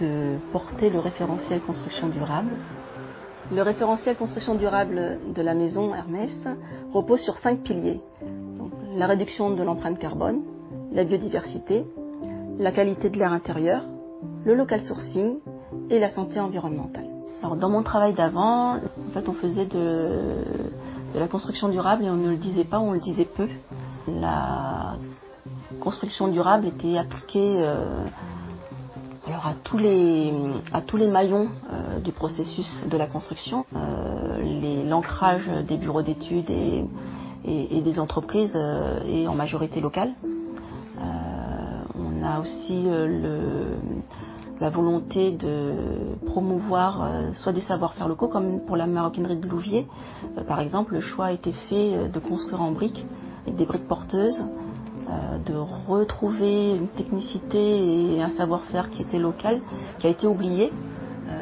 de porter le référentiel Construction durable. Le référentiel Construction durable de la maison Hermès repose sur 5 piliers: la réduction de l'empreinte carbone, la biodiversité, la qualité de l'air intérieur, le local sourcing et la santé environnementale. Dans mon travail d'avant, en fait, on faisait de la construction durable, mais on ne le disait pas, on le disait peu. La construction durable était appliquée alors à tous les maillons du processus de la construction. L'ancrage des bureaux d'études et des entreprises et en majorité locales. On a aussi la volonté de promouvoir soit des savoir-faire locaux, comme pour la maroquinerie de Louviers. Par exemple, le choix a été fait de construire en briques, avec des briques porteuses, de retrouver une technicité et un savoir-faire qui était local, qui a été oublié,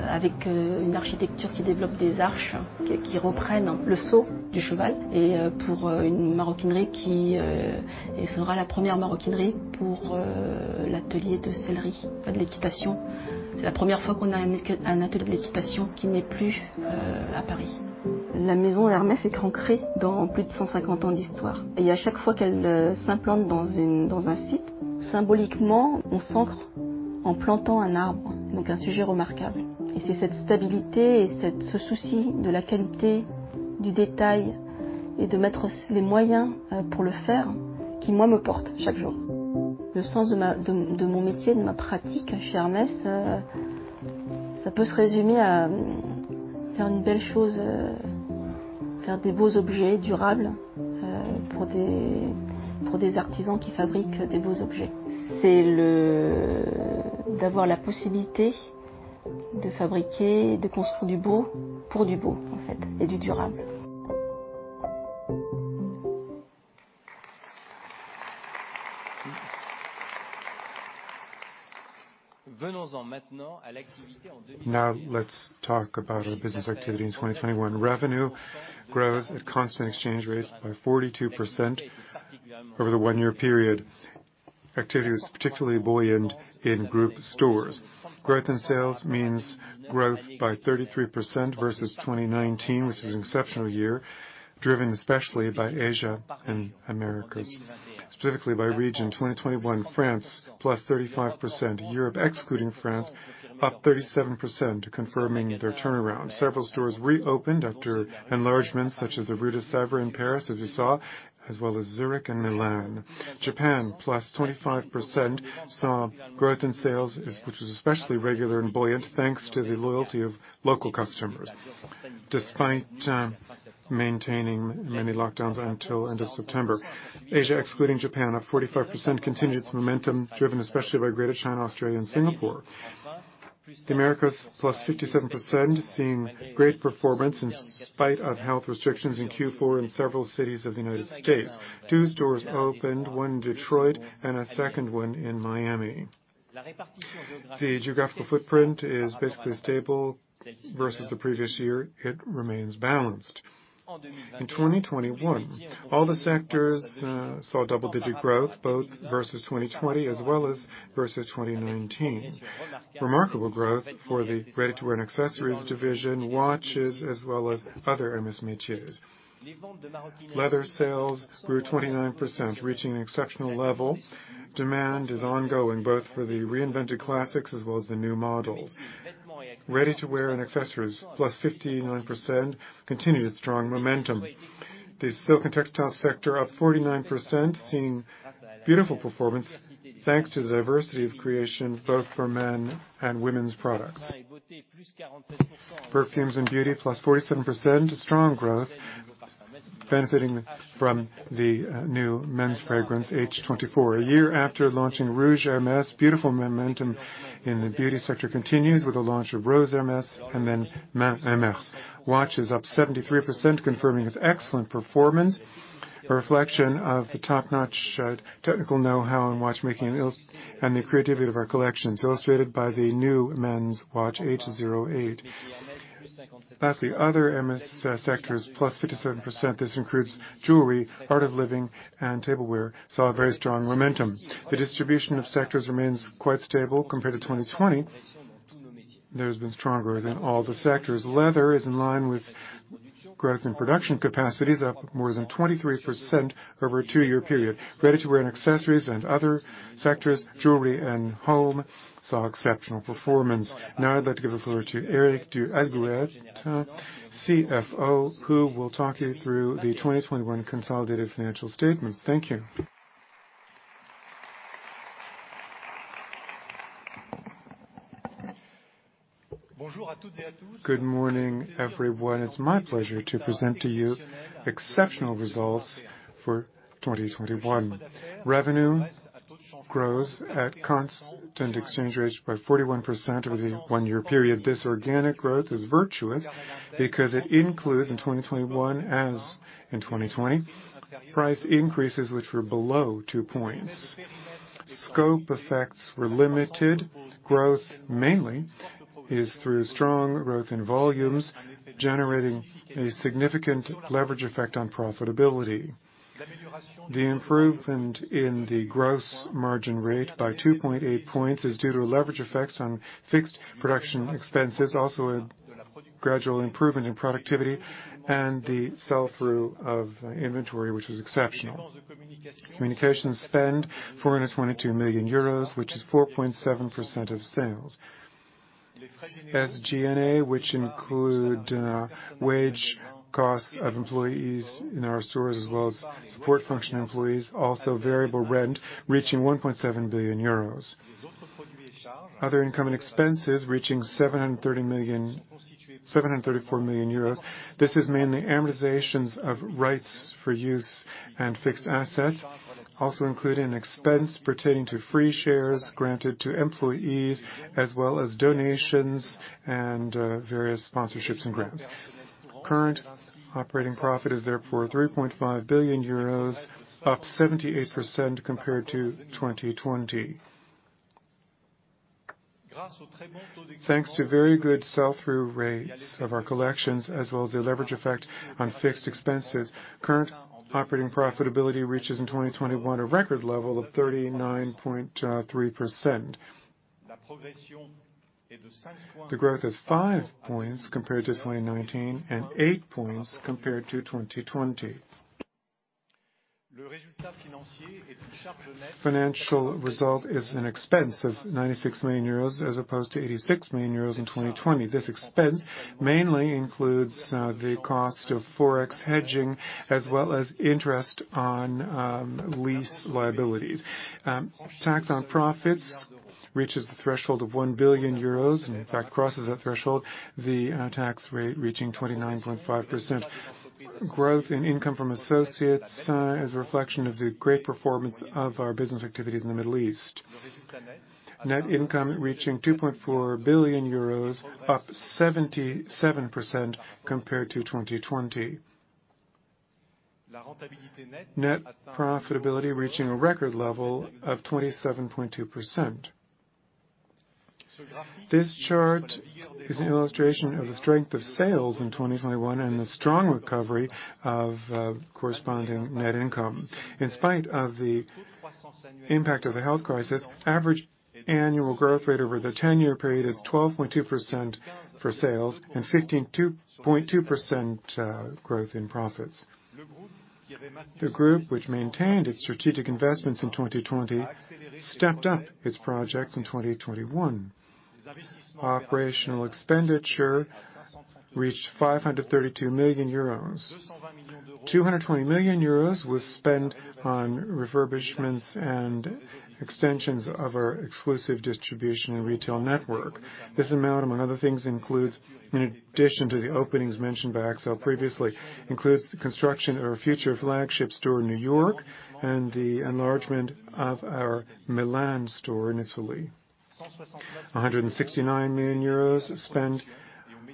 avec une architecture qui développe des arches qui reprennent le saut du cheval, et pour une maroquinerie qui et ce sera la première maroquinerie pour l'atelier de sellerie, enfin de l'équitation. C'est la première fois qu'on a un atelier de l'équitation qui n'est plus à Paris. La maison Hermès est ancrée dans plus de 150 ans d'histoire et à chaque fois qu'elle s'implante dans un site, symboliquement, on s'ancre en plantant un arbre, donc un sujet remarquable. C'est cette stabilité et ce souci de la qualité du détail et de mettre aussi les moyens pour le faire qui me porte chaque jour. Le sens de mon métier, de ma pratique chez Hermès, ça peut se résumer à faire une belle chose, faire des beaux objets durables, pour des artisans qui fabriquent des beaux objets. C'est d'avoir la possibilité de fabriquer, de construire du beau pour du beau, en fait, et du durable. Now let's talk about our business activity in 2021. Revenue grows at constant exchange rates by 42% over the one-year period. Activity was particularly buoyant in group stores. Growth in sales means growth by 33% versus 2019, which was an exceptional year, driven especially by Asia and Americas. Specifically by region, 2021 France +35%. Europe, excluding France, up 37% confirming their turnaround. Several stores reopened after enlargements such as the Rue de Sèvres in Paris, as you saw, as well as Zurich and Milan. Japan, +25%, saw growth in sales, which was especially regular and buoyant thanks to the loyalty of local customers. Despite maintaining many lockdowns until end of September. Asia, excluding Japan, up 45%, continued its momentum, driven especially by Greater China, Australia, and Singapore. The Americas +57%, seeing great performance in spite of health restrictions in Q4 in several cities of the United States. Two stores opened, one in Detroit and a second one in Miami. The geographical footprint is basically stable versus the previous year. It remains balanced. In 2021, all the sectors saw double-digit growth, both versus 2020 as well as versus 2019. Remarkable growth for the ready-to-wear and accessories division, watches, as well as other Hermès métiers. Leather sales grew 29%, reaching an exceptional level. Demand is ongoing both for the reinvented classics as well as the new models. Ready-to-wear and accessories +59%, continued its strong momentum. The silk and textile sector up 49%, seeing beautiful performance thanks to the diversity of creation both for men and women's products. Perfumes and Beauty +47%, strong growth benefiting from the new men's fragrance, H24. A year after launching Rouge Hermès, beautiful momentum in the beauty sector continues with the launch of Rose Hermès, and then Les Mains Hermès. Watches up 73%, confirming its excellent performance, a reflection of the top-notch technical know-how in watchmaking and design, and the creativity of our collections, illustrated by the new men's watch, H08. Lastly, other Hermès sectors +57%. This includes jewelry, art of living, and tableware, saw very strong momentum. The distribution of sectors remains quite stable compared to 2020. Leather has been stronger than all the sectors. Leather is in line with growth in production capacities, up more than 23% over a two-year period. Ready-to-Wear and Accessories and other sectors, jewelry and home, saw exceptional performance. Now I'd like to give the floor to Éric du Halgouët, CFO, who will talk you through the 2021 consolidated financial statements. Thank you. Good morning, everyone. It's my pleasure to present to you exceptional results for 2021. Revenue grows at constant exchange rates by 41% over the one-year period. This organic growth is virtuous because it includes, in 2021, as in 2020, price increases which were below two points. Scope effects were limited. Growth, mainly, is through strong growth in volumes, generating a significant leverage effect on profitability. The improvement in the gross margin rate by 2.8 points is due to leverage effects on fixed production expenses, also a gradual improvement in productivity, and the sell-through of inventory, which was exceptional. Communication spend, 422 million euros, which is 4.7% of sales. SG&A, which include wage costs of employees in our stores as well as support function employees, also variable rent, reaching 1.7 billion euros. Other income expenses reaching 734 million euros. This is mainly amortizations of rights for use and fixed assets, also including expense pertaining to free shares granted to employees, as well as donations and various sponsorships and grants. Current operating profit is therefore 3.5 billion euros, up 78% compared to 2020. Thanks to very good sell-through rates of our collections, as well as the leverage effect on fixed expenses, current operating profitability reaches in 2021 a record level of 39.3%. The growth is five points compared to 2019 and eight points compared to 2020. Financial result is an expense of 96 million euros, as opposed to 86 million euros in 2020. This expense mainly includes the cost of Forex hedging, as well as interest on lease liabilities. Tax on profits reaches the threshold of 1 billion euros, and in fact, crosses that threshold, the tax rate reaching 29.5%. Growth in income from associates is a reflection of the great performance of our business activities in the Middle East. Net income reaching 2.4 billion euros, up 77% compared to 2020. Net profitability reaching a record level of 27.2%. This chart is an illustration of the strength of sales in 2021 and the strong recovery of corresponding net income. In spite of the impact of the health crisis, average annual growth rate over the 10-year period is 12.2% for sales and 15.2% growth in profits. The group, which maintained its strategic investments in 2020, stepped up its projects in 2021. Operational expenditure reached 532 million euros. 220 million euros was spent on refurbishments and extensions of our exclusive distribution and retail network. This amount, among other things, includes, in addition to the openings mentioned by Axel previously, the construction of our future flagship store in New York, and the enlargement of our Milan store in Italy. 169 million euros spent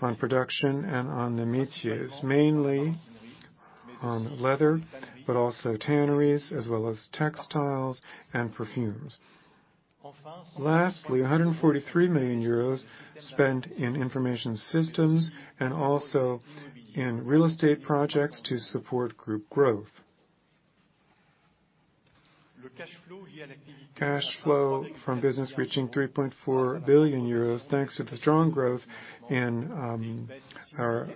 on production and on the métiers, mainly on leather, but also tanneries, as well as textiles and perfumes. Lastly, 143 million euros spent in information systems and also in real estate projects to support group growth. Cash flow from business reaching 3.4 billion euros thanks to the strong growth in our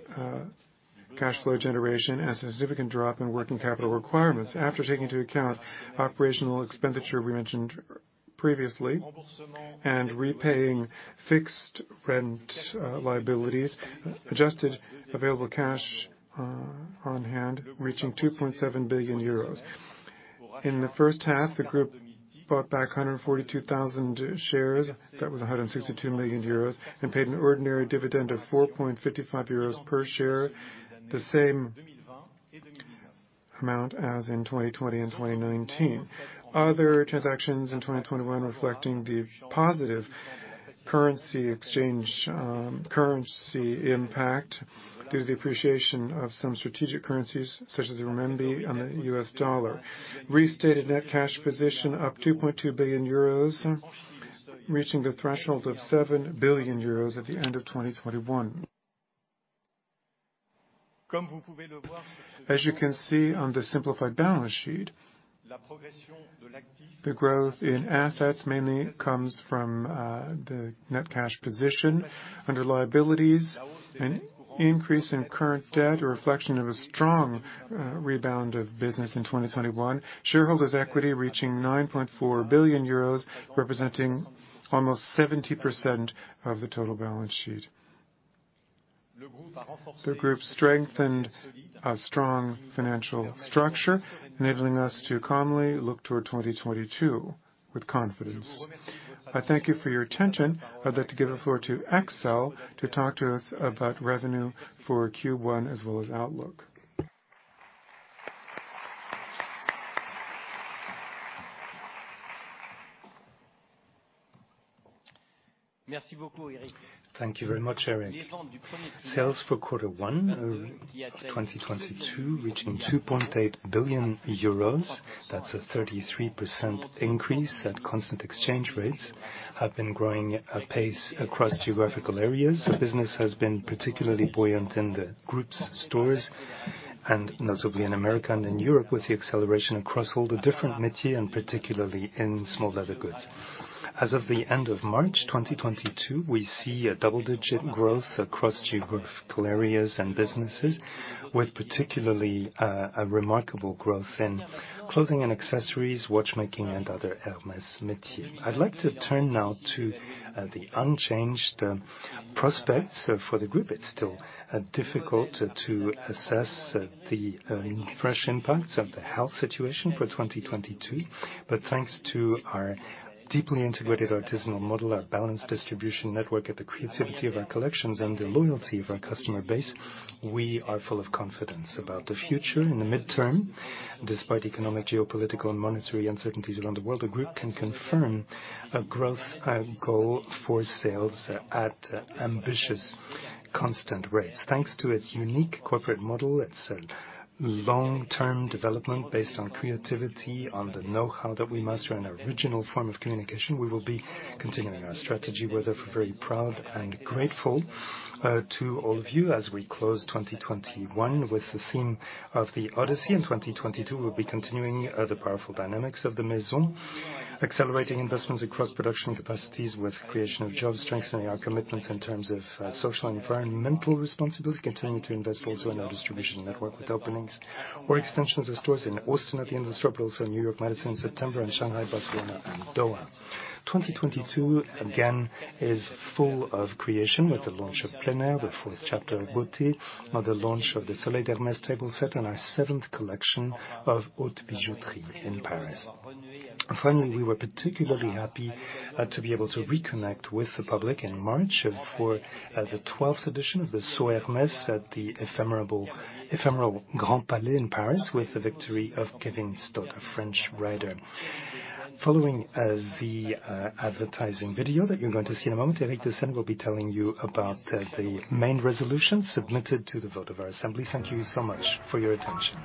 cash flow generation and a significant drop in working capital requirements. After taking into account operational expenditure we mentioned previously, and repaying fixed rent liabilities, adjusted available cash on hand reaching 2.7 billion euros. In the first half, the group bought back 142,000 shares. That was 162 million euros, and paid an ordinary dividend of 4.55 euros per share, the same amount as in 2020 and 2019. Other transactions in 2021 reflecting the positive currency exchange currency impact due to the appreciation of some strategic currencies, such as the renminbi and the U.S. dollar. Restated net cash position up 2.2 billion euros, reaching the threshold of 7 billion euros at the end of 2021. As you can see on the simplified balance sheet, the growth in assets mainly comes from the net cash position. Under liabilities, an increase in current debt, a reflection of a strong rebound of business in 2021. Shareholders' equity reaching 9.4 billion euros, representing almost 70% of the total balance sheet. The group strengthened a strong financial structure, enabling us to calmly look toward 2022 with confidence. I thank you for your attention. I'd like to give the floor to Axel to talk to us about revenue for Q1 as well as outlook. Thank you very much, Eric. Sales for quarter one of 2022 reaching 2.8 billion euros. That's a 33% increase at constant exchange rates, have been growing apace across geographical areas. The business has been particularly buoyant in the group's stores, and notably in America and in Europe, with the acceleration across all the different métiers, and particularly in small leather goods. As of the end of March 2022, we see a double-digit growth across geographical areas and businesses, with particularly a remarkable growth in clothing and accessories, watchmaking, and other Hermès métiers. I'd like to turn now to the unchanged prospects for the group. It's still difficult to assess the fresh impacts of the health situation for 2022, but thanks to our deeply integrated artisanal model, our balanced distribution network, and the creativity of our collections, and the loyalty of our customer base, we are full of confidence about the future. In the midterm, despite economic, geopolitical, and monetary uncertainties around the world, the group can confirm a growth goal for sales at ambitious constant rates. Thanks to its unique corporate model, its long-term development based on creativity, on the know-how that we master, and our original form of communication, we will be continuing our strategy. We're therefore very proud and grateful to all of you as we close 2021 with the theme of The Odyssey. In 2022, we'll be continuing the powerful dynamics of the Maison, accelerating investments across production capacities with creation of jobs, strengthening our commitments in terms of social and environmental responsibility, continuing to invest also in our distribution network with openings or extensions of stores in Austin at the end of this October, also in New York, Madison in September, and Shanghai, Barcelona, and Doha. 2022, again, is full of creation with the launch of Plein Air, the fourth chapter of Beautés, another launch of the Soleil d'Hermès table set, and our seventh collection of Haute Bijouterie in Paris. Finally, we were particularly happy to be able to reconnect with the public in March for the 12th edition of the Saut Hermès at the Éphémère Grand Palais in Paris, with the victory of Kevin Staut, a French rider. Following the advertising video that you're going to see in a moment, Éric de Seynes will be telling you about the main resolution submitted to the vote of our assembly. Thank you so much for your attention.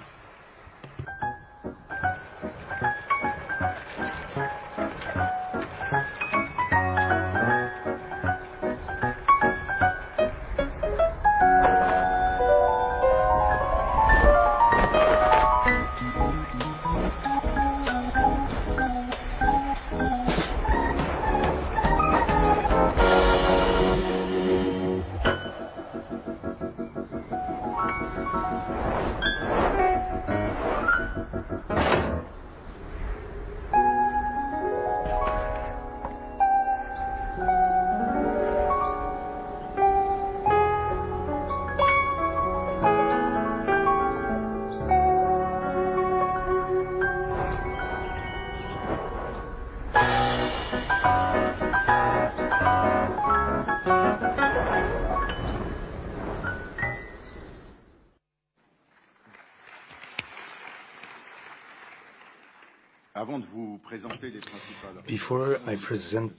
Before I present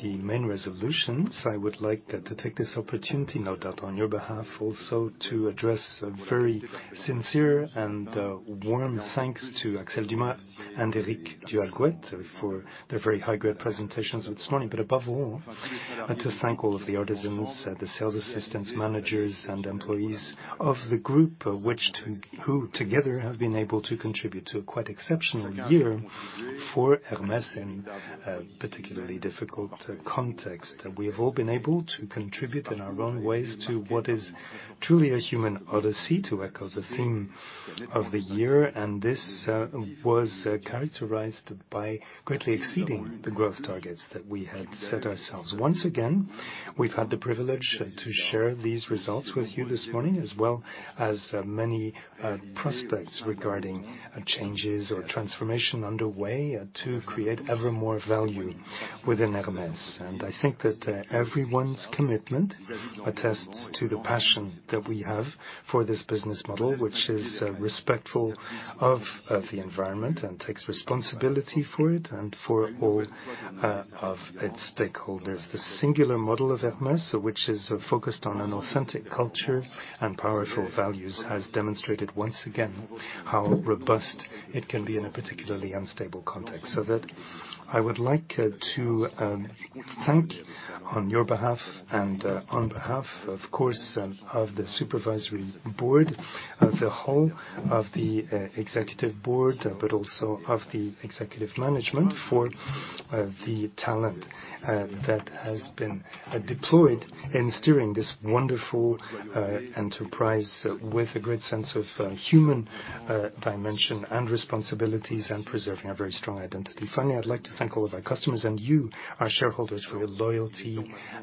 the main resolutions, I would like to take this opportunity now, that on your behalf also, to address a very sincere and warm thanks to Axel Dumas and Éric du Halgouët for their very high-grade presentations this morning. Above all, to thank all of the artisans, the sales assistants, managers, and employees of the group, who together have been able to contribute to a quite exceptional year for Hermès in a particularly difficult context. We have all been able to contribute in our own ways to what is truly a human odyssey, to echo the theme of the year. This was characterized by greatly exceeding the growth targets that we had set ourselves. Once again, we've had the privilege to share these results with you this morning, as well as many prospects regarding changes or transformation underway to create ever more value within Hermès. I think that everyone's commitment attests to the passion that we have for this business model, which is respectful of the environment and takes responsibility for it and for all of its stakeholders. The singular model of Hermès, which is focused on an authentic culture and powerful values, has demonstrated once again how robust it can be in a particularly unstable context. I would like to thank, on your behalf and on behalf of course of the Supervisory Board, the whole of the Executive Board, but also of the Executive Management for the talent that has been deployed in steering this wonderful enterprise with a great sense of human dimension and responsibilities and preserving a very strong identity. Finally, I'd like to thank all of our customers and you, our shareholders, for your loyalty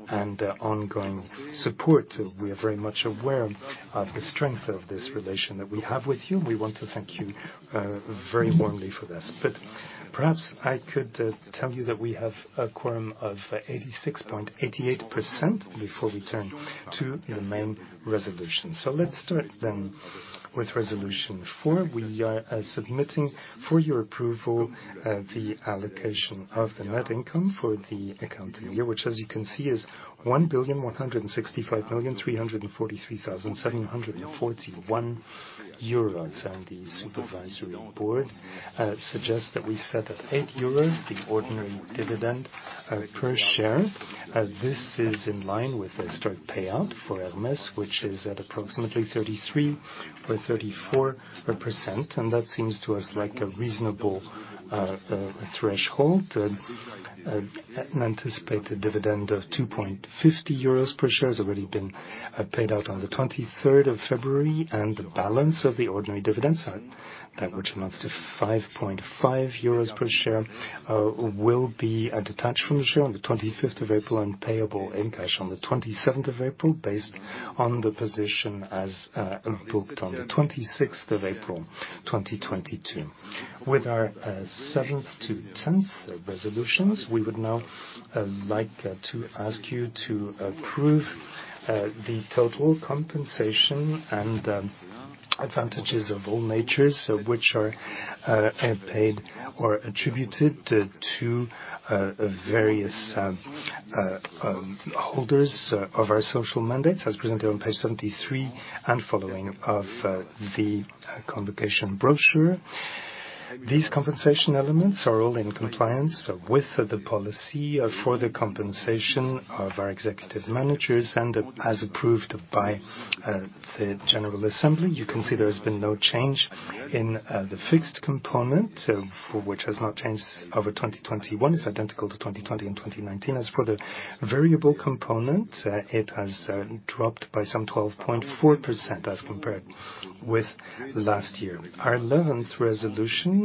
and ongoing support. We are very much aware of the strength of this relation that we have with you, and we want to thank you very warmly for this. Perhaps I could tell you that we have a quorum of 86.88% before we turn to the main resolution. Let's start then with resolution four. We are submitting for your approval the allocation of the net income for the accounting year, which as you can see, is 1,165,343,741 euros. The supervisory board suggests that we set at 8 euros the ordinary dividend per share. This is in line with a strict payout for Hermès, which is at approximately 33.34%. That seems to us like a reasonable threshold. An anticipated dividend of 2.50 euros per share has already been paid out on the 23rd of February, and the balance of the ordinary dividends, that which amounts to 5.50 euros per share, will be detached from the share on the 25th of April and payable in cash on the 27th of April, based on the position as booked on the 26th of April 2022. With our 7th to 10th resolutions, we would now like to ask you to approve the total compensation and advantages of all natures which are paid or attributed to various holders of our social mandates as presented on page 73 and following of the convocation brochure. These compensation elements are all in compliance with the policy for the compensation of our executive managers and as approved by the general assembly. You can see there has been no change in the fixed component, which has not changed over 2021. It's identical to 2020 and 2019. As for the variable component, it has dropped by some 12.4% as compared with last year. Our 11th resolution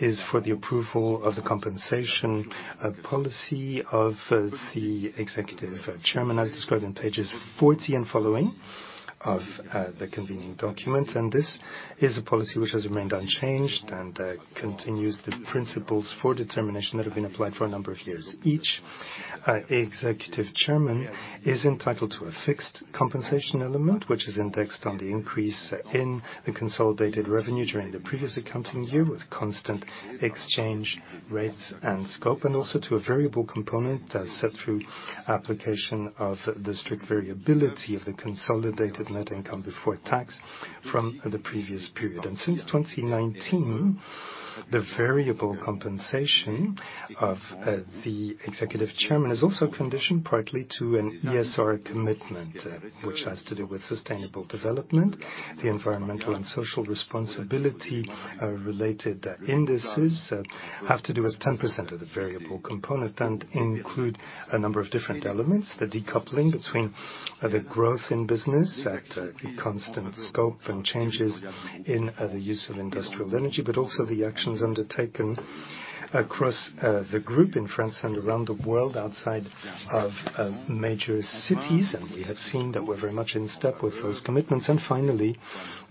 is for the approval of the compensation policy of the executive chairman, as described on pages 40 and following of the convening document. This is a policy which has remained unchanged and continues the principles for determination that have been applied for a number of years. Each Executive Chairman is entitled to a fixed compensation element, which is indexed on the increase in the consolidated revenue during the previous accounting year, with constant exchange rates and scope, and also to a variable component as set through application of the strict variability of the consolidated net income before tax from the previous period. Since 2019 the variable compensation of the Executive Chairman is also conditioned partly to an ESG commitment, which has to do with sustainable development. The environmental and social responsibility related indices have to do with 10% of the variable component, and include a number of different elements. The decoupling between the growth in business at constant scope and changes in the use of industrial energy, but also the actions undertaken across the group in France and around the world outside of major cities. We have seen that we're very much in step with those commitments. Finally,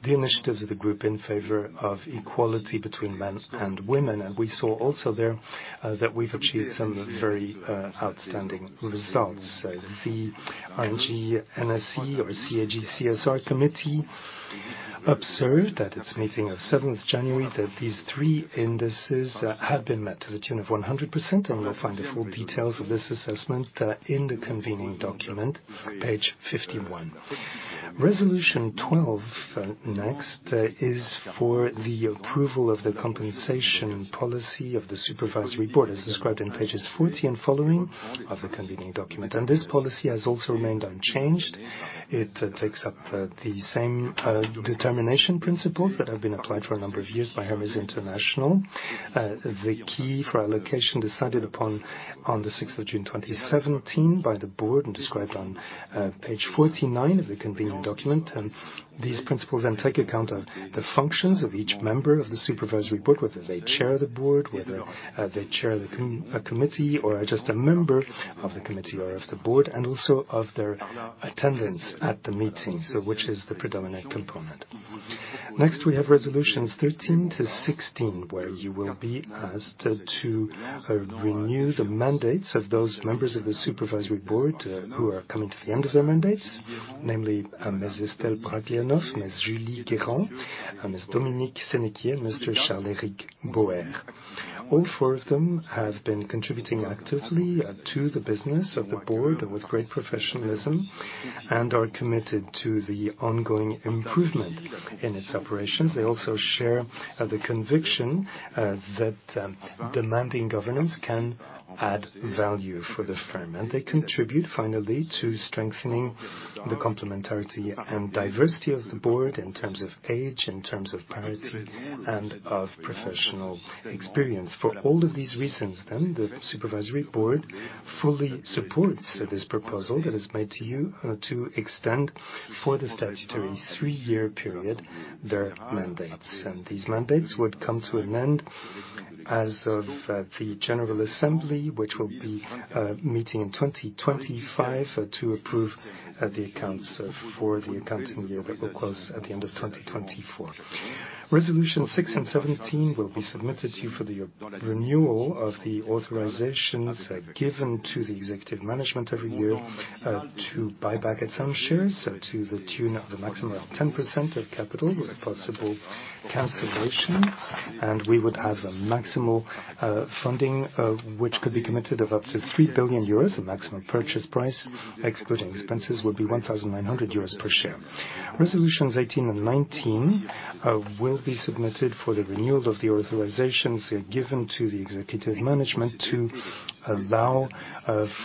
the initiatives of the group in favor of equality between men and women. We saw also there that we've achieved some very outstanding results. The CAG-CSR committee observed at its meeting of 7th January that these three indices have been met to the tune of 100%. You'll find the full details of this assessment in the convening document, page 51. Resolution 12, next, is for the approval of the compensation policy of the Supervisory Board, as described in pages 40 and following of the convening document. This policy has also remained unchanged. It takes up the same determination principles that have been applied for a number of years by Hermès International. The key for allocation decided upon on the 6th of June 2017 by the board and described on page 49 of the convening document. These principles take account of the functions of each member of the Supervisory Board, whether they chair the board, whether they chair a committee or are just a member of the committee or of the board, and also of their attendance at the meeting, so which is the predominant component. Next, we have resolutions 13-16, where you will be asked to renew the mandates of those members of the Supervisory Board who are coming to the end of their mandates. Namely, Ms. Estelle Brachlianoff, Ms. Julie Guerrand, Ms. Dominique Sénéquier, Mr. Charles-Éric Bauer. All four of them have been contributing actively to the business of the board with great professionalism and are committed to the ongoing improvement in its operations. They also share the conviction that demanding governance can add value for the firm. They contribute, finally, to strengthening the complementarity and diversity of the board in terms of age, in terms of parity and of professional experience. For all of these reasons, the Supervisory Board fully supports this proposal that is made to you to extend for the statutory three-year period their mandates. These mandates would come to an end as of the general assembly, which will be meeting in 2025 to approve the accounts for the accounting year that will close at the end of 2024. Resolution six and 17 will be submitted to you for the renewal of the authorizations given to the Executive Management every year to buy back its own shares to the tune of a maximum of 10% of capital with a possible cancellation. We would have a maximal funding which could be committed of up to 3 billion euros. A maximum purchase price excluding expenses would be 1,900 euros per share. Resolutions 18 and 19 will be submitted for the renewal of the authorizations given to the executive management to allow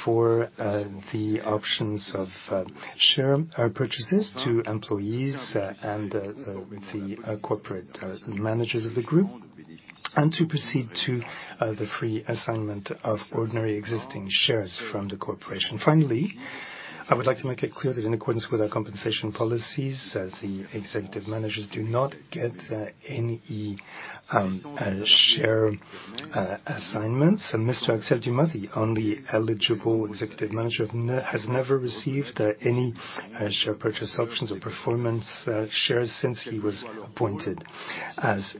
for the options of share purchases to employees and the corporate managers of the group, and to proceed to the free assignment of ordinary existing shares from the corporation. Finally, I would like to make it clear that in accordance with our compensation policies, as the executive managers do not get any share assignments, Mr. Axel Dumas, the only eligible executive manager, has never received any share purchase options or performance shares since he was appointed as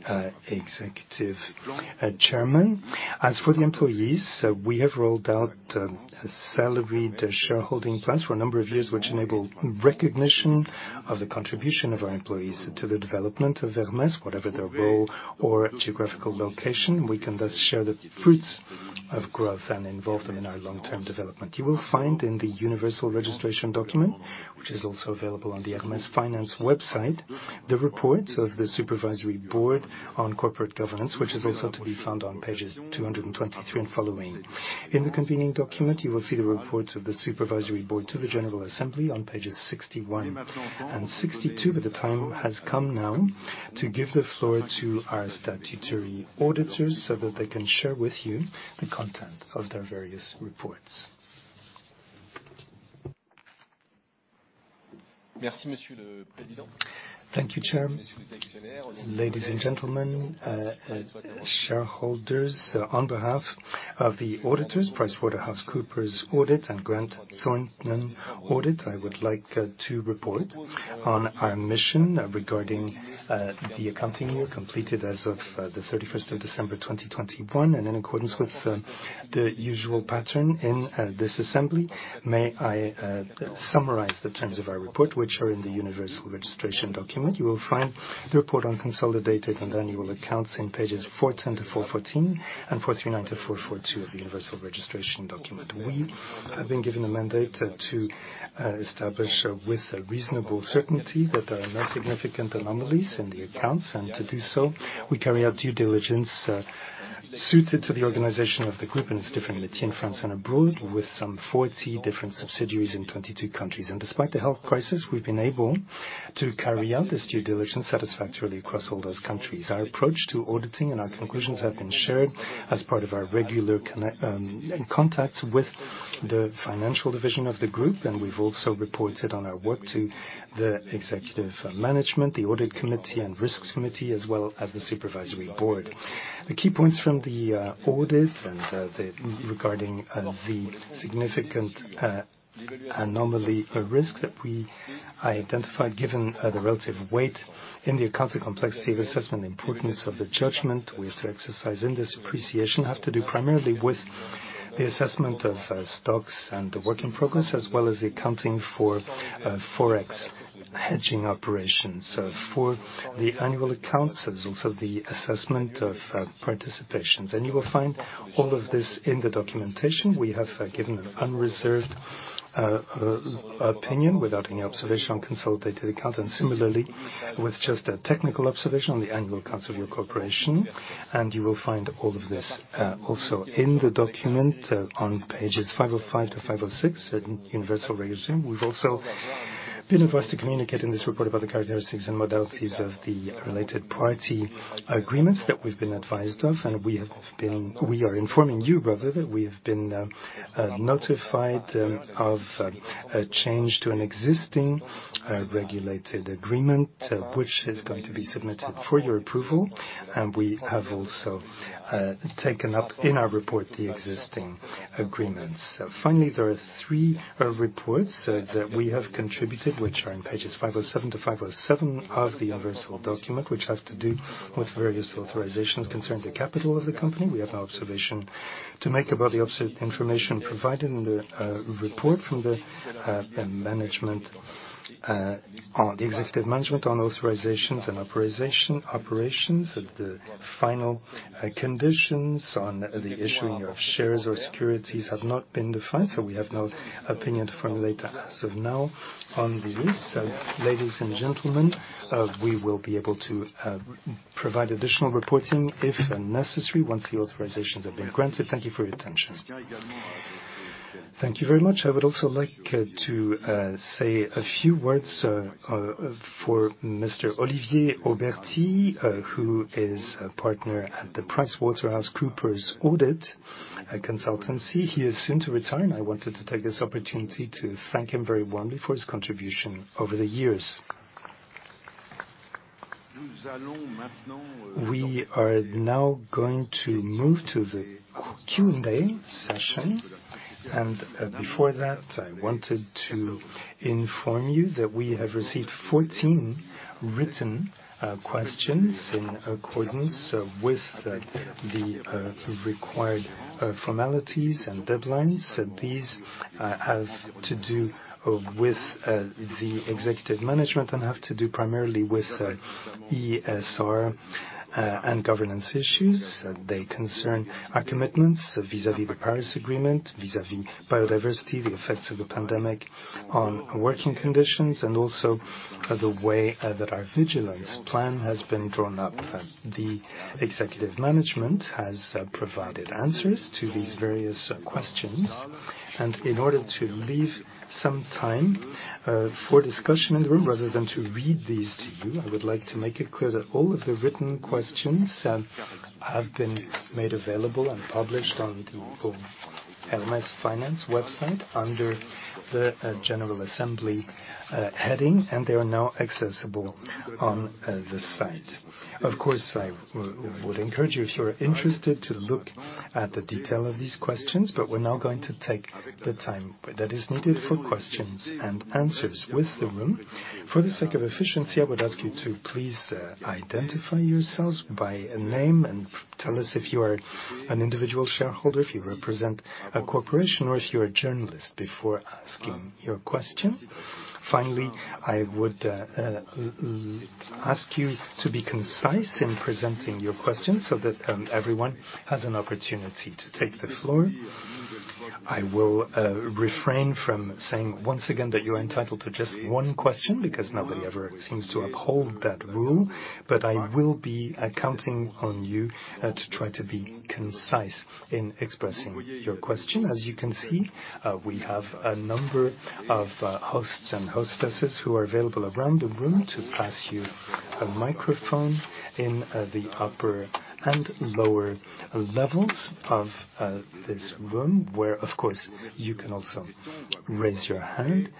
Executive Chairman. As for the employees, we have rolled out a salaried shareholding plus for a number of years, which enable recognition of the contribution of our employees to the development of Hermès, whatever their role or geographical location. We can thus share the fruits of growth and involve them in our long-term development. You will find in the universal registration document, which is also available on the Hermès Finance website, the reports of the Supervisory Board on corporate governance, which is also to be found on pages 223 and following. In the convening document, you will see the reports of the Supervisory Board to the General Assembly on pages 61 and 62. The time has come now to give the floor to our statutory auditors so that they can share with you the content of their various reports. Thank you, Chairman. Ladies and gentlemen, shareholders, on behalf of the auditors, PricewaterhouseCoopers Audit and Grant Thornton Audit, I would like to report on our mission regarding the accounting year completed as of the 31st of December 2021. In accordance with the usual pattern in this assembly, may I summarize the terms of our report, which are in the universal registration document. You will find the report on consolidated and annual accounts in pages 410-414 and 439-442 of the universal registration document. We have been given a mandate to establish with a reasonable certainty that there are no significant anomalies in the accounts. To do so, we carry out due diligence suited to the organization of the group and its different entities in France and abroad, with some 40 different subsidiaries in 22 countries. Despite the health crisis, we've been able to carry out this due diligence satisfactorily across all those countries. Our approach to auditing and our conclusions have been shared as part of our regular contacts with the financial division of the group, and we've also reported on our work to the executive management, the audit committee and risks committee, as well as the supervisory board. The key points from the audit and the... Regarding the significant anomaly or risk that I identified, given the relative weight in the accounting complexity of assessment, the importance of the judgment we have to exercise in this appreciation, have to do primarily with the assessment of stocks and the work in progress, as well as the accounting for forex hedging operations. For the annual accounts, there's also the assessment of participations. You will find all of this in the documentation. We have given an unreserved opinion without any observation on consolidated accounts, and similarly, with just a technical observation on the annual accounts of your corporation. You will find all of this also in the document on pages 505-506 in the Universal Registration Document. We've also been advised to communicate in this report about the characteristics and modalities of the related party agreements that we've been advised of, and we are informing you rather that we have been notified of a change to an existing regulated agreement which is going to be submitted for your approval, and we have also taken up in our report the existing agreements. Finally, there are three reports that we have contributed, which are on pages 507-507 of the universal document, which have to do with various authorizations concerning the capital of the company. We have no observation to make about the observed information provided in the report from the management on the executive management on authorizations and authorization operations. The final conditions on the issuing of shares or securities have not been defined, so we have no opinion to formulate. Now on the list, ladies and gentlemen, we will be able to provide additional reporting if necessary once the authorizations have been granted. Thank you for your attention. Thank you very much. I would also like to say a few words for Mr. Olivier Auberté, who is a partner at PricewaterhouseCoopers audit a consultancy. He is soon to retire, and I wanted to take this opportunity to thank him very warmly for his contribution over the years. We are now going to move to the Q&A session. Before that, I wanted to inform you that we have received 14 written questions in accordance with the required formalities and deadlines. These have to do with the executive management and have to do primarily with ESG and governance issues. They concern our commitments vis-à-vis the Paris Agreement, vis-à-vis biodiversity, the effects of the pandemic on working conditions, and also the way that our vigilance plan has been drawn up. The executive management has provided answers to these various questions, and in order to leave some time for discussion in the room, rather than to read these to you, I would like to make it clear that all of the written questions have been made available and published on the Hermès Finance website under the General Assembly heading and they are now accessible on the site. Of course, I would encourage you, if you are interested, to look at the detail of these questions, but we're now going to take the time that is needed for questions and answers with the room. For the sake of efficiency, I would ask you to please identify yourselves by name and tell us if you are an individual shareholder, if you represent a corporation or if you're a journalist before asking your question. Finally, I would ask you to be concise in presenting your question so that everyone has an opportunity to take the floor. I will refrain from saying once again that you are entitled to just one question because nobody ever seems to uphold that rule. I will be counting on you to try to be concise in expressing your question. As you can see, we have a number of hosts and hostesses who are available around the room to pass you a microphone in the upper and lower levels of this room, where, of course, you can also raise your hand.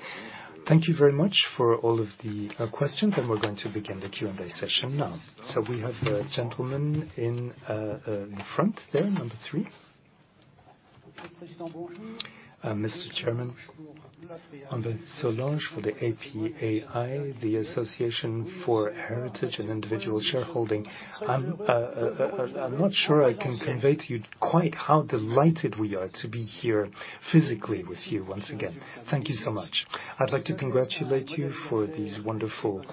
Thank you very much for all of the questions, and we're going to begin the Q&A session now. We have a gentleman in front there, number three. Mr. Chairman, I'm Solange for the APAI, the Association for Heritage & Individual Shareholding. I'm not sure I can convey to you quite how delighted we are to be here physically with you once again. Thank you so much. I'd like to congratulate you for these wonderful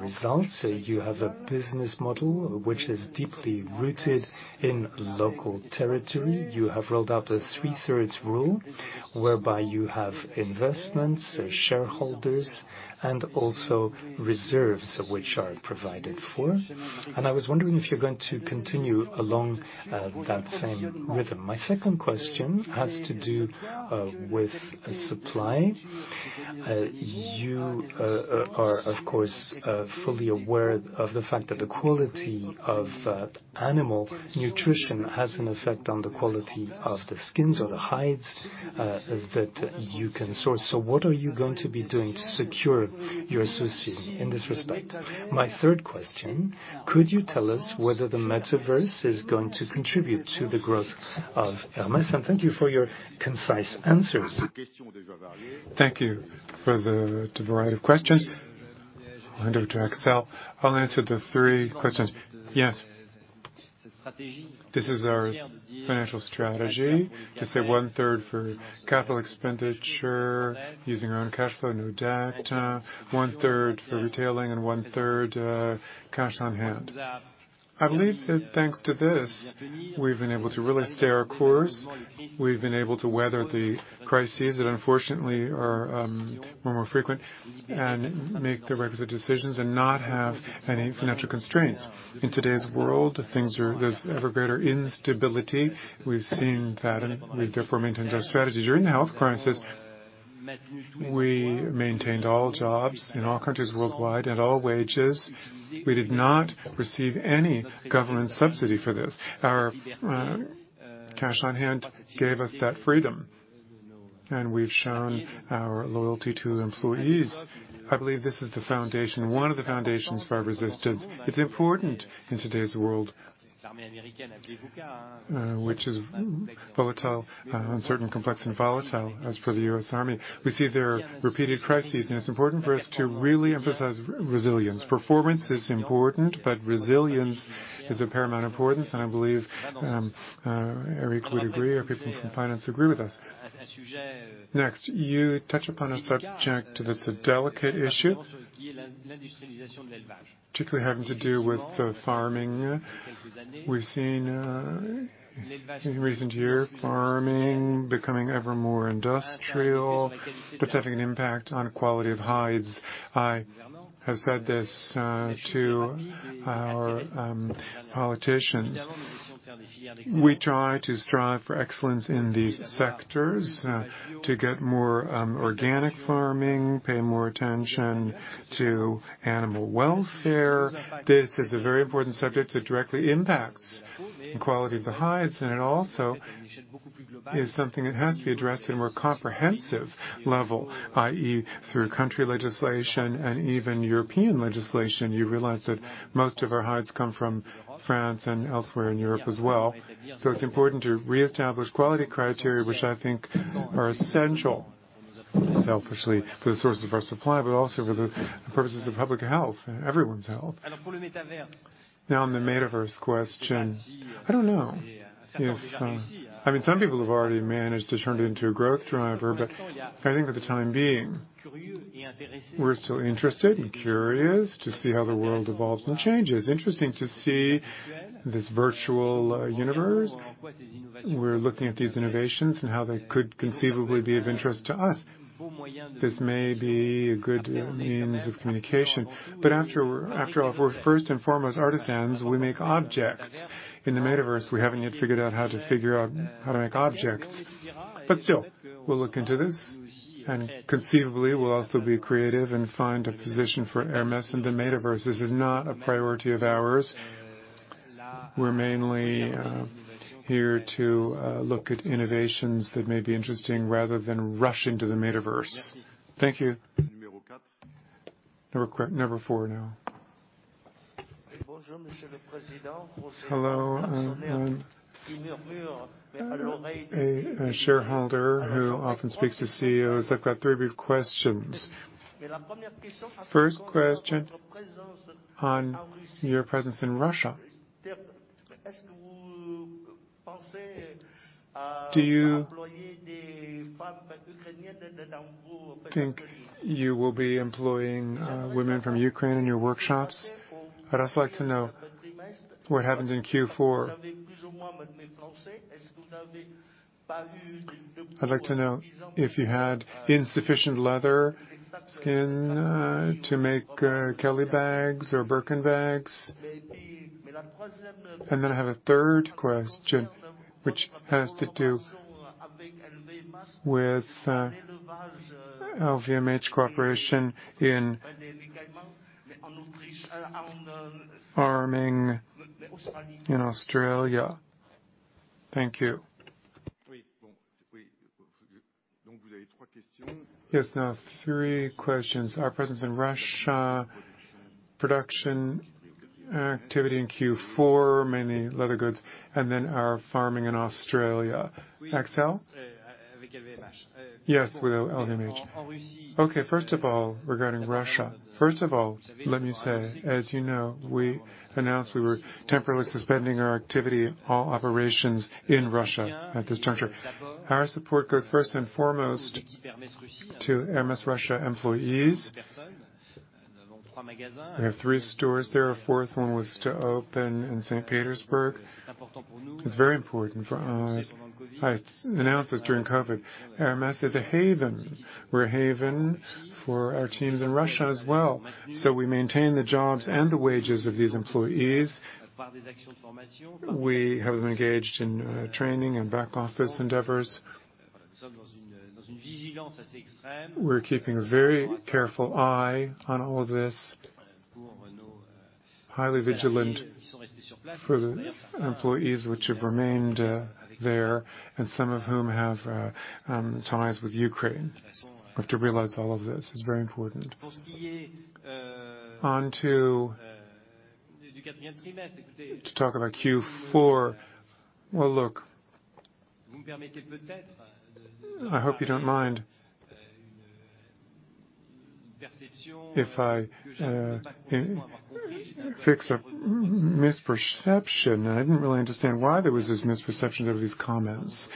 results. You have a business model which is deeply rooted in local territory. You have rolled out the three-thirds rule, whereby you have investments, shareholders, and also reserves which are provided for. I was wondering if you're going to continue along that same rhythm. My second question has to do with supply. You are, of course, fully aware of the fact that the quality of animal nutrition has an effect on the quality of the skins or the hides that you can source. What are you going to be doing to secure your association in this respect? My third question, could you tell us whether the Metaverse is going to contribute to the growth of Hermès? Thank you for your concise answers. Thank you for the variety of questions. I'll hand over to Axel. I'll answer the three questions. Yes, this is our financial strategy, to save one-third for capital expenditure using our own cash flow and OPEX, one-third for retailing, and one-third, cash on-hand. I believe that thanks to this, we've been able to really stay our course. We've been able to weather the crises that unfortunately are, more and more frequent, and make the requisite decisions and not have any financial constraints. In today's world, things are. There's ever greater instability. We've seen that, and we've therefore maintained our strategy. During the health crisis, we maintained all jobs in all countries worldwide at all wages. We did not receive any government subsidy for this. Our, cash on-hand gave us that freedom, and we've shown our loyalty to the employees. I believe this is the foundation, one of the foundations for our resistance. It's important in today's world, which is volatile, uncertain, complex, and volatile as per the U.S. Army. We see there are repeated crises, and it's important for us to really emphasize resilience. Performance is important, but resilience is of paramount importance, and I believe, Eric would agree, our people from finance agree with us. Next, you touch upon a subject that's a delicate issue, particularly having to do with farming. We've seen in recent years, farming becoming ever more industrial, that's having an impact on quality of hides. I have said this to our politicians. We try to strive for excellence in these sectors to get more organic farming, pay more attention to animal welfare. This is a very important subject that directly impacts the quality of the hides, and it also is something that has to be addressed in a more comprehensive level, i.e., through country legislation and even European legislation. You realize that most of our hides come from France and elsewhere in Europe as well. It's important to reestablish quality criteria, which I think are essential, selfishly, for the source of our supply, but also for the purposes of public health and everyone's health. Now, on the Metaverse question, I don't know if, I mean, some people have already managed to turn it into a growth driver, but I think for the time being, we're still interested and curious to see how the world evolves and changes. Interesting to see this virtual universe. We're looking at these innovations and how they could conceivably be of interest to us. This may be a good means of communication. After all, we're first and foremost artisans. We make objects. In the Metaverse, we haven't yet figured out how to make objects. Still, we'll look into this, and conceivably, we'll also be creative and find a position for Hermès in the Metaverse. This is not a priority of ours. We're mainly here to look at innovations that may be interesting rather than rush into the Metaverse. Thank you. Number four now. Hello. I'm a shareholder who often speaks to CEOs. I've got three brief questions. First question on your presence in Russia. Do you think you will be employing women from Ukraine in your workshops? I'd also like to know what happened in Q4. I'd like to know if you had insufficient leather skin to make Kelly bags or Birkin bags. I have a third question, which has to do with LVMH cooperation in farming in Australia. Thank you. Yes, now three questions. Our presence in Russia, production activity in Q4, mainly leather goods, and then our farming in Australia. Axel? Yes, with LVMH. Okay, first of all, regarding Russia. First of all, let me say, as you know, we announced we were temporarily suspending our activity, all operations in Russia at this juncture. Our support goes first and foremost to Hermès Russia employees. We have three stores there. A fourth one was to open in St. Petersburg. It's very important for us. I announced this during COVID. Hermès is a haven. We're a haven for our teams in Russia as well. We maintain the jobs and the wages of these employees. We have engaged in training and back office endeavors. We're keeping a very careful eye on all of this. Highly vigilant for the employees which have remained there, and some of whom have ties with Ukraine. We have to realize all of this. It's very important. On to talk about Q4. Well, look, I hope you don't mind if I fix a misperception. I didn't really understand why there was this misperception over these comments.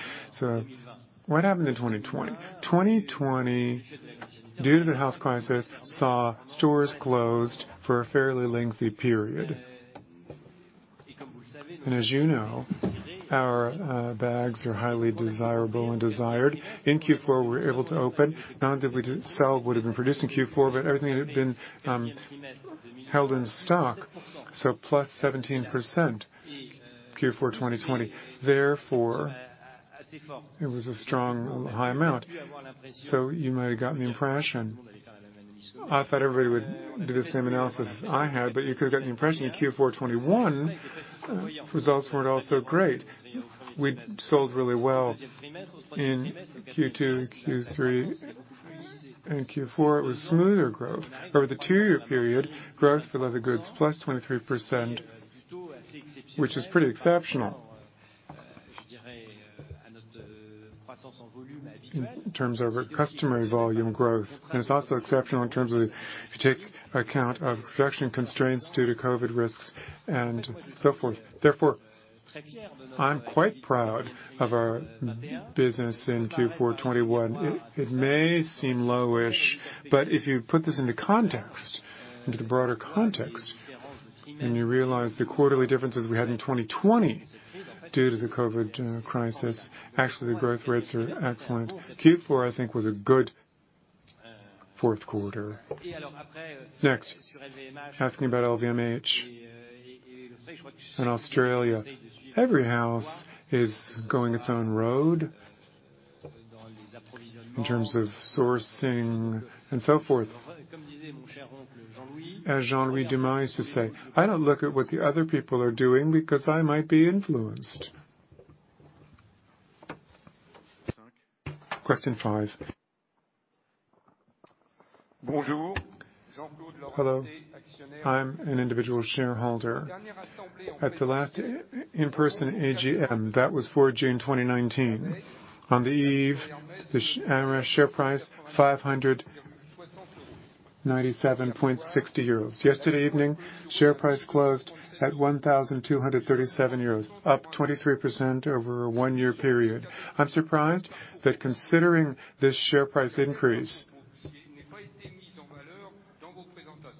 What happened in 2020? 2020, due to the health crisis, saw stores closed for a fairly lengthy period. As you know, our bags are highly desirable and desired. In Q4, we were able to open. Not only did we sell what had been produced in Q4, but everything had been held in stock, so +17% Q4 2020. Therefore, it was a strong, high amount. You might have gotten the impression. I thought everybody would do the same analysis I had, but you could have gotten the impression that Q4 2021 results weren't all so great. We'd sold really well in Q2, Q3, and Q4, it was smoother growth. Over the two-year period, growth for leather goods plus 23%, which is pretty exceptional in terms of our customary volume growth, and it's also exceptional in terms of if you take account of production constraints due to COVID risks and so forth. Therefore, I'm quite proud of our business in Q4 2021. It may seem low-ish, but if you put this into context, into the broader context, and you realize the quarterly differences we had in 2020 due to the COVID crisis, actually, the growth rates are excellent. Q4, I think, was a good fourth quarter. Next, asking about LVMH and Australia. Every house is going its own road in terms of sourcing and so forth. As Jean-Louis Dumas used to say, "I don't look at what the other people are doing, because I might be influenced. Question five. Hello, I'm an individual shareholder. At the last in-person AGM, that was for June 2019. On the eve, the Hermès share price 597.60 euros. Yesterday evening, share price closed at 1,237 euros, up 23% over a one-year period. I'm surprised that considering this share price increase,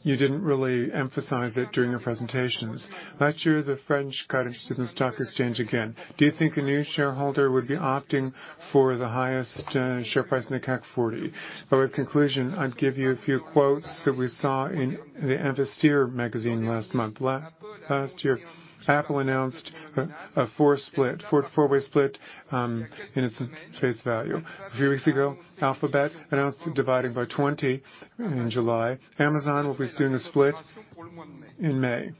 you didn't really emphasize it during your presentations. Last year, the French got interested in the stock exchange again. Do you think a new shareholder would be opting for the highest share price in the CAC 40? By way of conclusion, I'd give you a few quotes that we saw in the Investir magazine last month. Last year, Apple announced a four-way split in its face value. A few weeks ago, Alphabet announced dividing by 20 in July. Amazon will be doing a split in May.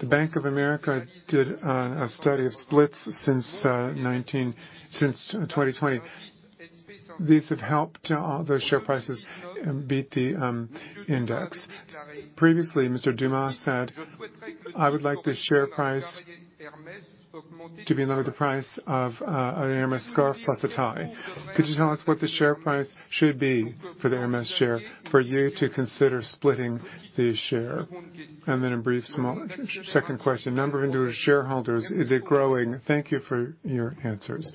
The Bank of America did a study of splits since 2020. These have helped the share prices beat the index. Previously, Mr. Dumas said, "I would like the share price to be another price of an Hermès scarf plus a tie." Could you tell us what the share price should be for the Hermès share for you to consider splitting the share? And then a brief small second question. Number of individual shareholders, is it growing? Thank you for your answers.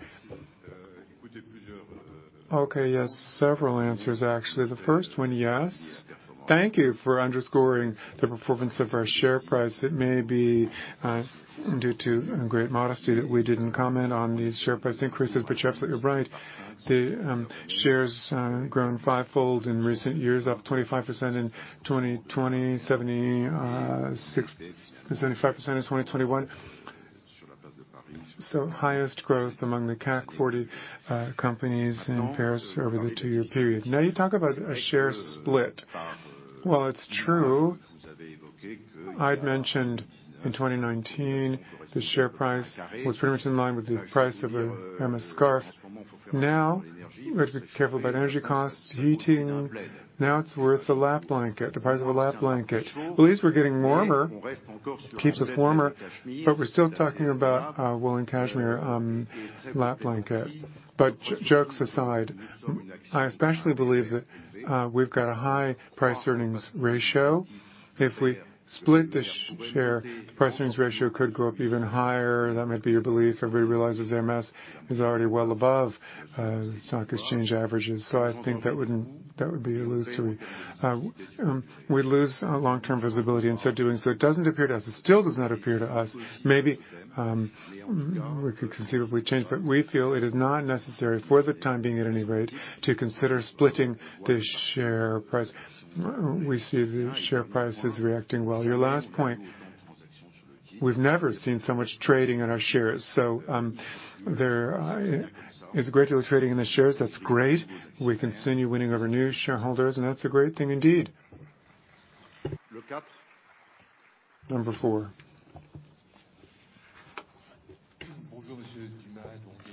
Okay, yes, several answers, actually. The first one, yes. Thank you for underscoring the performance of our share price. It may be due to great modesty that we didn't comment on these share price increases, but you're absolutely right. The share's grown fivefold in recent years, up 25% in 2020, 75% in 2021. Highest growth among the CAC 40 companies in Paris over the two-year period. Now, you talk about a share split. Well, it's true. I'd mentioned in 2019, the share price was pretty much in line with the price of a Hermès scarf. Now, we have to be careful about energy costs, heating. Now it's worth a lap blanket, the price of a lap blanket. At least we're getting warmer. It keeps us warmer, but we're still talking about a wool and cashmere lap blanket. But jokes aside, I especially believe that we've got a high price/earnings ratio. If we split the share, the price/earnings ratio could go up even higher. That might be a belief. Everybody realizes Hermès is already well above stock exchange averages. I think that would be a loss to me. We'd lose long-term visibility in so doing. It doesn't appear to us. It still does not appear to us. Maybe we could conceivably change, but we feel it is not necessary for the time being at any rate to consider splitting the share price. We see the share price is reacting well. Your last point, we've never seen so much trading in our shares. There is a great deal of trading in the shares. That's great. We continue winning over new shareholders, and that's a great thing indeed. Number four.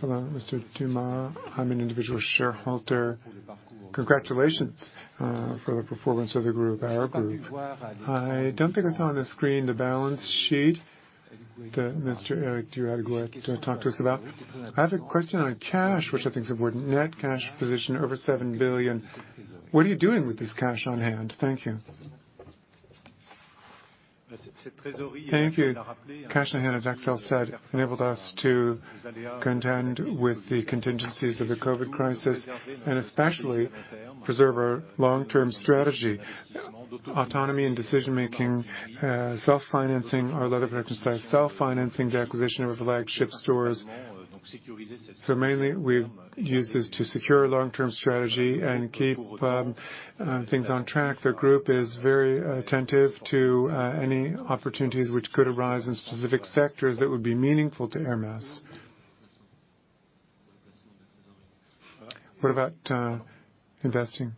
Hello, Mr. Dumas. I'm an individual shareholder. Congratulations for the performance of the group, our group. I don't think I saw on the screen the balance sheet. Mr. Éric du Halgouët talked to us about. I have a question on cash, which I think is important. Net cash position over 7 billion. What are you doing with this cash on hand? Thank you. Cash on hand, as Axel said, enabled us to contend with the contingencies of the COVID crisis and especially preserve our long-term strategy, autonomy in decision-making, self-financing our leather production sites, self-financing the acquisition of our flagship stores. Mainly, we use this to secure long-term strategy and keep things on track. The group is very attentive to any opportunities which could arise in specific sectors that would be meaningful to Hermès. What about investing?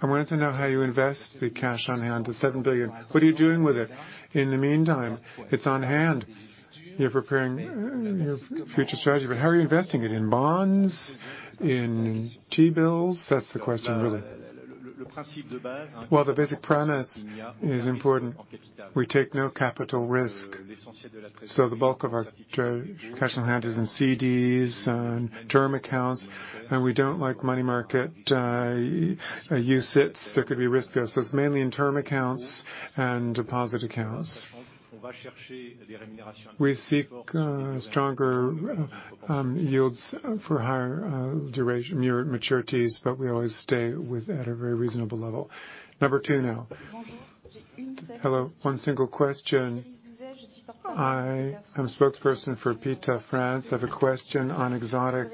I wanted to know how you invest the cash on hand, the 7 billion. What are you doing with it? In the meantime, it's on hand. You're preparing your future strategy, but how are you investing it? In bonds? In T-bills? That's the question, really. Well, the basic premise is important. We take no capital risk, so the bulk of our cash on hand is in CDs and term accounts, and we don't like money market U.S. Treasuries. There could be risk there. It's mainly in term accounts and deposit accounts. We seek stronger yields for higher duration year maturities, but we always stay with at a very reasonable level. Number two now. Hello. One single question. I am a spokesperson for PETA France. I have a question on exotic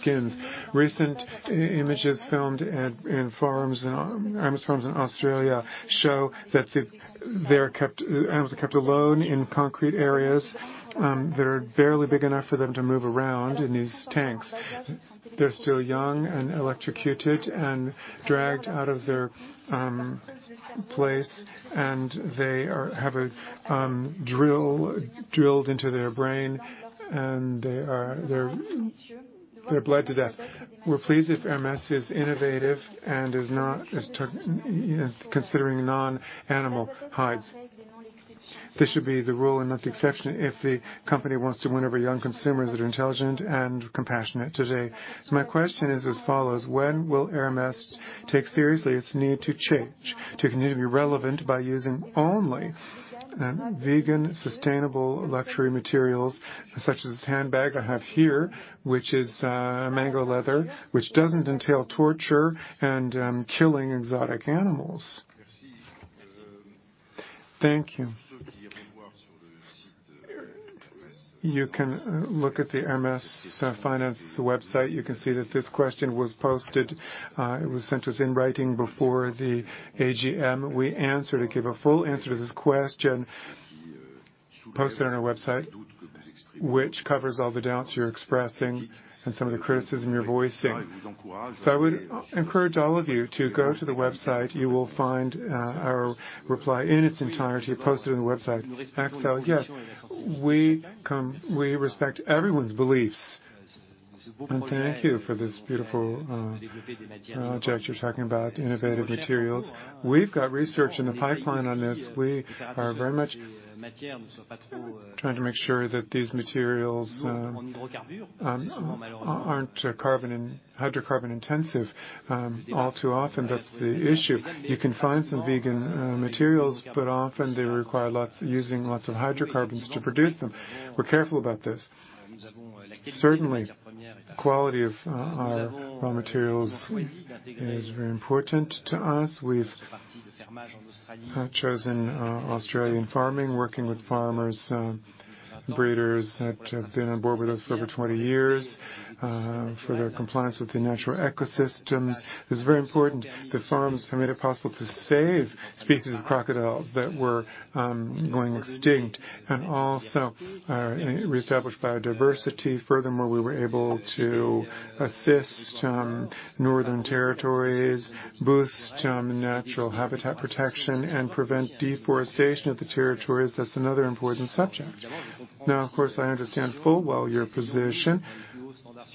skins. Recent images filmed in farms, Hermès farms in Australia show that they're kept alone in concrete areas that are barely big enough for them to move around in these tanks. They're still young and electrocuted and dragged out of their place, and they have a drill drilled into their brain, and they're bled to death. We're pleased if Hermès is innovative and is not considering non-animal hides, you know. This should be the rule and not the exception if the company wants to win over young consumers that are intelligent and compassionate today. My question is as follows: When will Hermès take seriously its need to change, to continue to be relevant by using only vegan, sustainable luxury materials such as this handbag I have here, which is mango leather, which doesn't entail torture and killing exotic animals? Thank you. You can look at the Hermès Finance website. You can see that this question was posted, it was sent to us in writing before the AGM. We answered, gave a full answer to this question, posted it on our website, which covers all the doubts you're expressing and some of the criticism you're voicing. I would encourage all of you to go to the website. You will find our reply in its entirety posted on the website. Axel, yes. We respect everyone's beliefs, and thank you for this beautiful object. You're talking about innovative materials. We've got research in the pipeline on this. We are very much trying to make sure that these materials aren't carbon, hydrocarbon-intensive. All too often, that's the issue. You can find some vegan materials, but often they require lots of hydrocarbons to produce them. We're careful about this. Certainly, quality of our raw materials is very important to us. We've chosen Australian farming, working with farmers, breeders that have been on board with us for over 20 years, for their compliance with the natural ecosystems. It's very important that farms have made it possible to save species of crocodiles that were going extinct and also reestablish biodiversity. Furthermore, we were able to assist northern territories, boost natural habitat protection, and prevent deforestation of the territories. That's another important subject. Now, of course, I understand full well your position.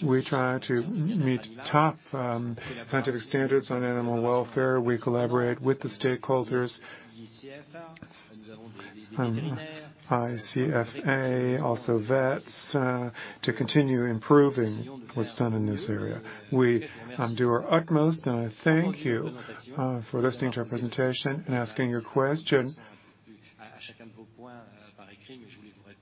We try to meet top scientific standards on animal welfare. We collaborate with the stakeholders, ICFA, also vets, to continue improving what's done in this area. We do our utmost, and I thank you for listening to our presentation and asking your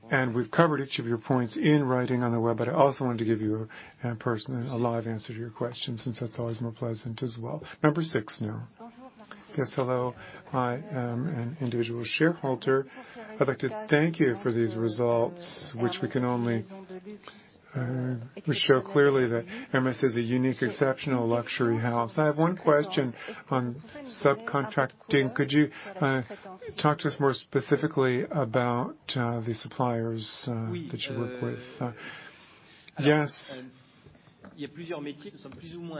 question. We've covered each of your points in writing on the web, but I also wanted to give you a personal, live answer to your question, since that's always more pleasant as well. Number six now. Yes, hello. I am an individual shareholder. I'd like to thank you for these results, which we can only show clearly that Hermès is a unique, exceptional luxury house. I have one question on subcontracting. Could you talk to us more specifically about the suppliers that you work with? Yes.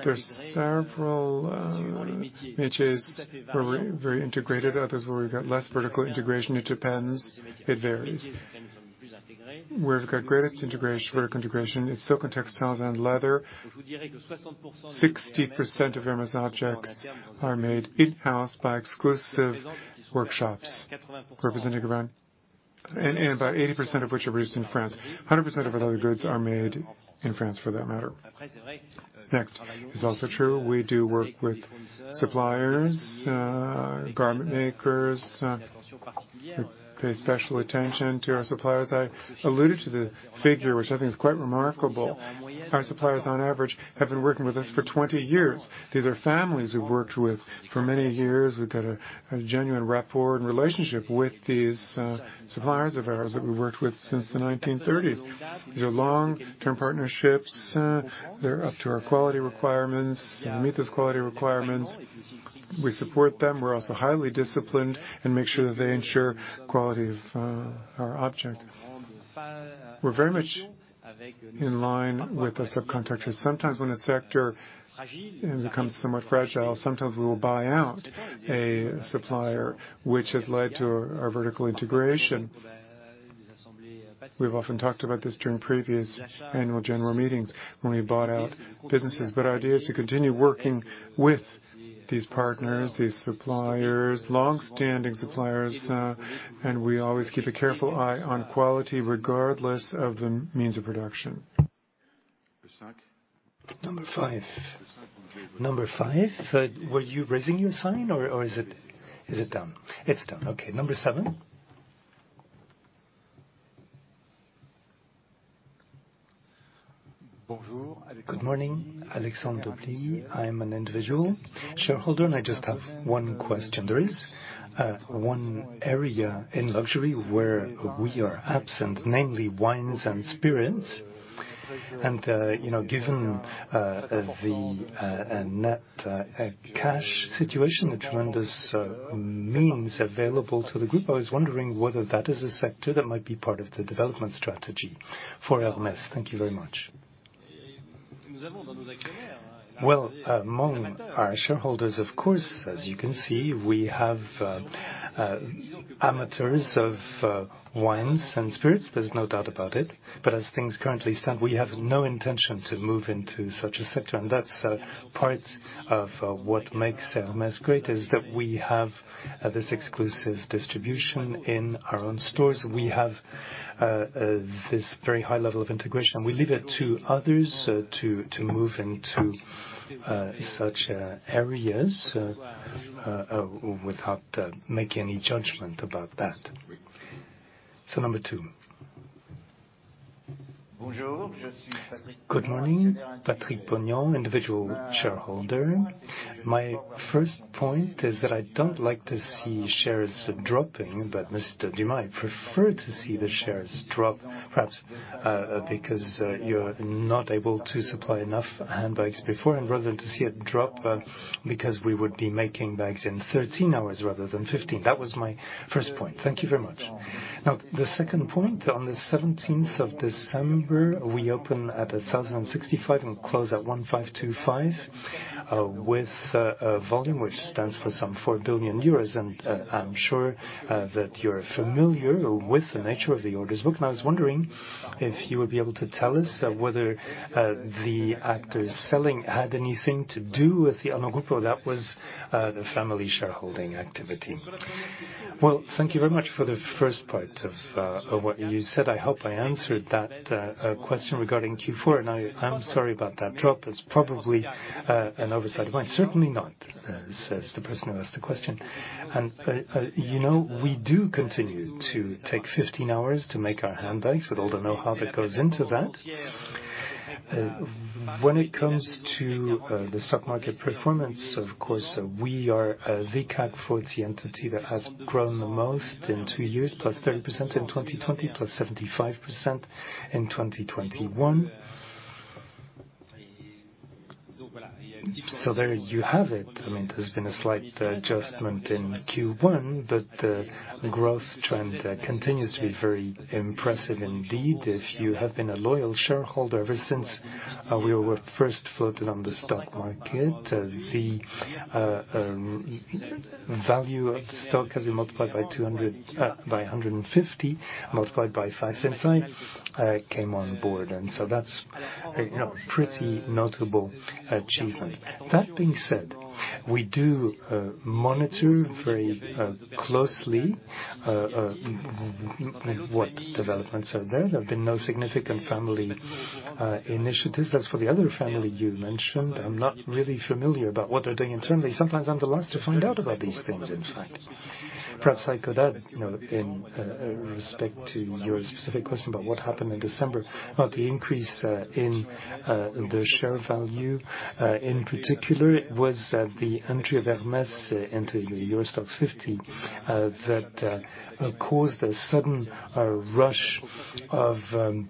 There's several niches where we're very integrated, others where we've got less vertical integration. It depends. It varies. Where we've got greatest integration, vertical integration, is silk and textiles and leather. 60% of Hermès objects are made in-house by exclusive workshops, representing around 80% of which are produced in France. 100% of leather goods are made in France, for that matter. Next, it's also true we do work with suppliers, garment makers. We pay special attention to our suppliers. I alluded to the figure, which I think is quite remarkable. Our suppliers, on average, have been working with us for 20 years. These are families we've worked with for many years. We've got a genuine rapport and relationship with these suppliers of ours that we've worked with since the 1930s. These are long-term partnerships. They're up to our quality requirements. They meet those quality requirements. We support them. We're also highly disciplined and make sure that they ensure quality of our object. We're very much in line with the subcontractors. Sometimes when a sector becomes somewhat fragile, we will buy out a supplier, which has led to our vertical integration. We've often talked about this during previous annual general meetings when we bought out businesses. Our idea is to continue working with these partners, these suppliers, long-standing suppliers. We always keep a careful eye on quality, regardless of the means of production. Number five. Number five, were you raising your sign, or is it down? It's down. Okay, number seven. Good morning. Alexandre Doumenc. I'm an individual shareholder, and I just have one question. There is one area in luxury where we are absent, namely wines and spirits. You know, given the net cash situation, the tremendous means available to the group, I was wondering whether that is a sector that might be part of the development strategy for Hermès? Thank you very much. Well, among our shareholders, of course, as you can see, we have amateurs of wines and spirits. There's no doubt about it. As things currently stand, we have no intention to move into such a sector, and that's part of what makes Hermès great, is that we have this exclusive distribution in our own stores. We have this very high level of integration. We leave it to others to move into such areas without making any judgment about that. Number two. Good morning. Patrick Poncet, individual shareholder. My first point is that I don't like to see shares dropping, but Mr. Dumas, I prefer to see the shares drop, perhaps, because you're not able to supply enough handbags beforehand, rather than to see it drop, because we would be making bags in 13 hours rather than 15. That was my first point. Thank you very much. Now, the second point, on the 17th of December, we open at 1,065 and close at 1,525, with a volume which stands for some 4 billion euros. I'm sure that you're familiar with the nature of the orders book, and I was wondering if you would be able to tell us whether the actors selling had anything to do with the Groupe Arnault that was the family shareholding activity. Well, thank you very much for the first part of what you said. I hope I answered that question regarding Q4, and I'm sorry about that drop. It's probably an oversight of mine. Certainly not, says the person who asked the question. You know, we do continue to take 15 hours to make our handbags with all the know-how that goes into that. When it comes to the stock market performance, of course, we are the CAC 40 entity that has grown the most in two years, +30% in 2020, +75% in 2021. There you have it. I mean, there's been a slight adjustment in Q1, but the growth trend continues to be very impressive indeed. If you have been a loyal shareholder ever since we were first floated on the stock market, the value of the stock has been multiplied by 200, by 150, multiplied by five since I came on board, and that's, you know, a pretty notable achievement. That being said, we do monitor very closely what developments are there. There have been no significant family initiatives. As for the other family you mentioned, I'm not really familiar about what they're doing internally. Sometimes I'm the last to find out about these things, in fact. Perhaps I could add, you know, in respect to your specific question about what happened in December. The increase in the share value in particular was the entry of Hermès into the EURO STOXX 50 that caused a sudden rush of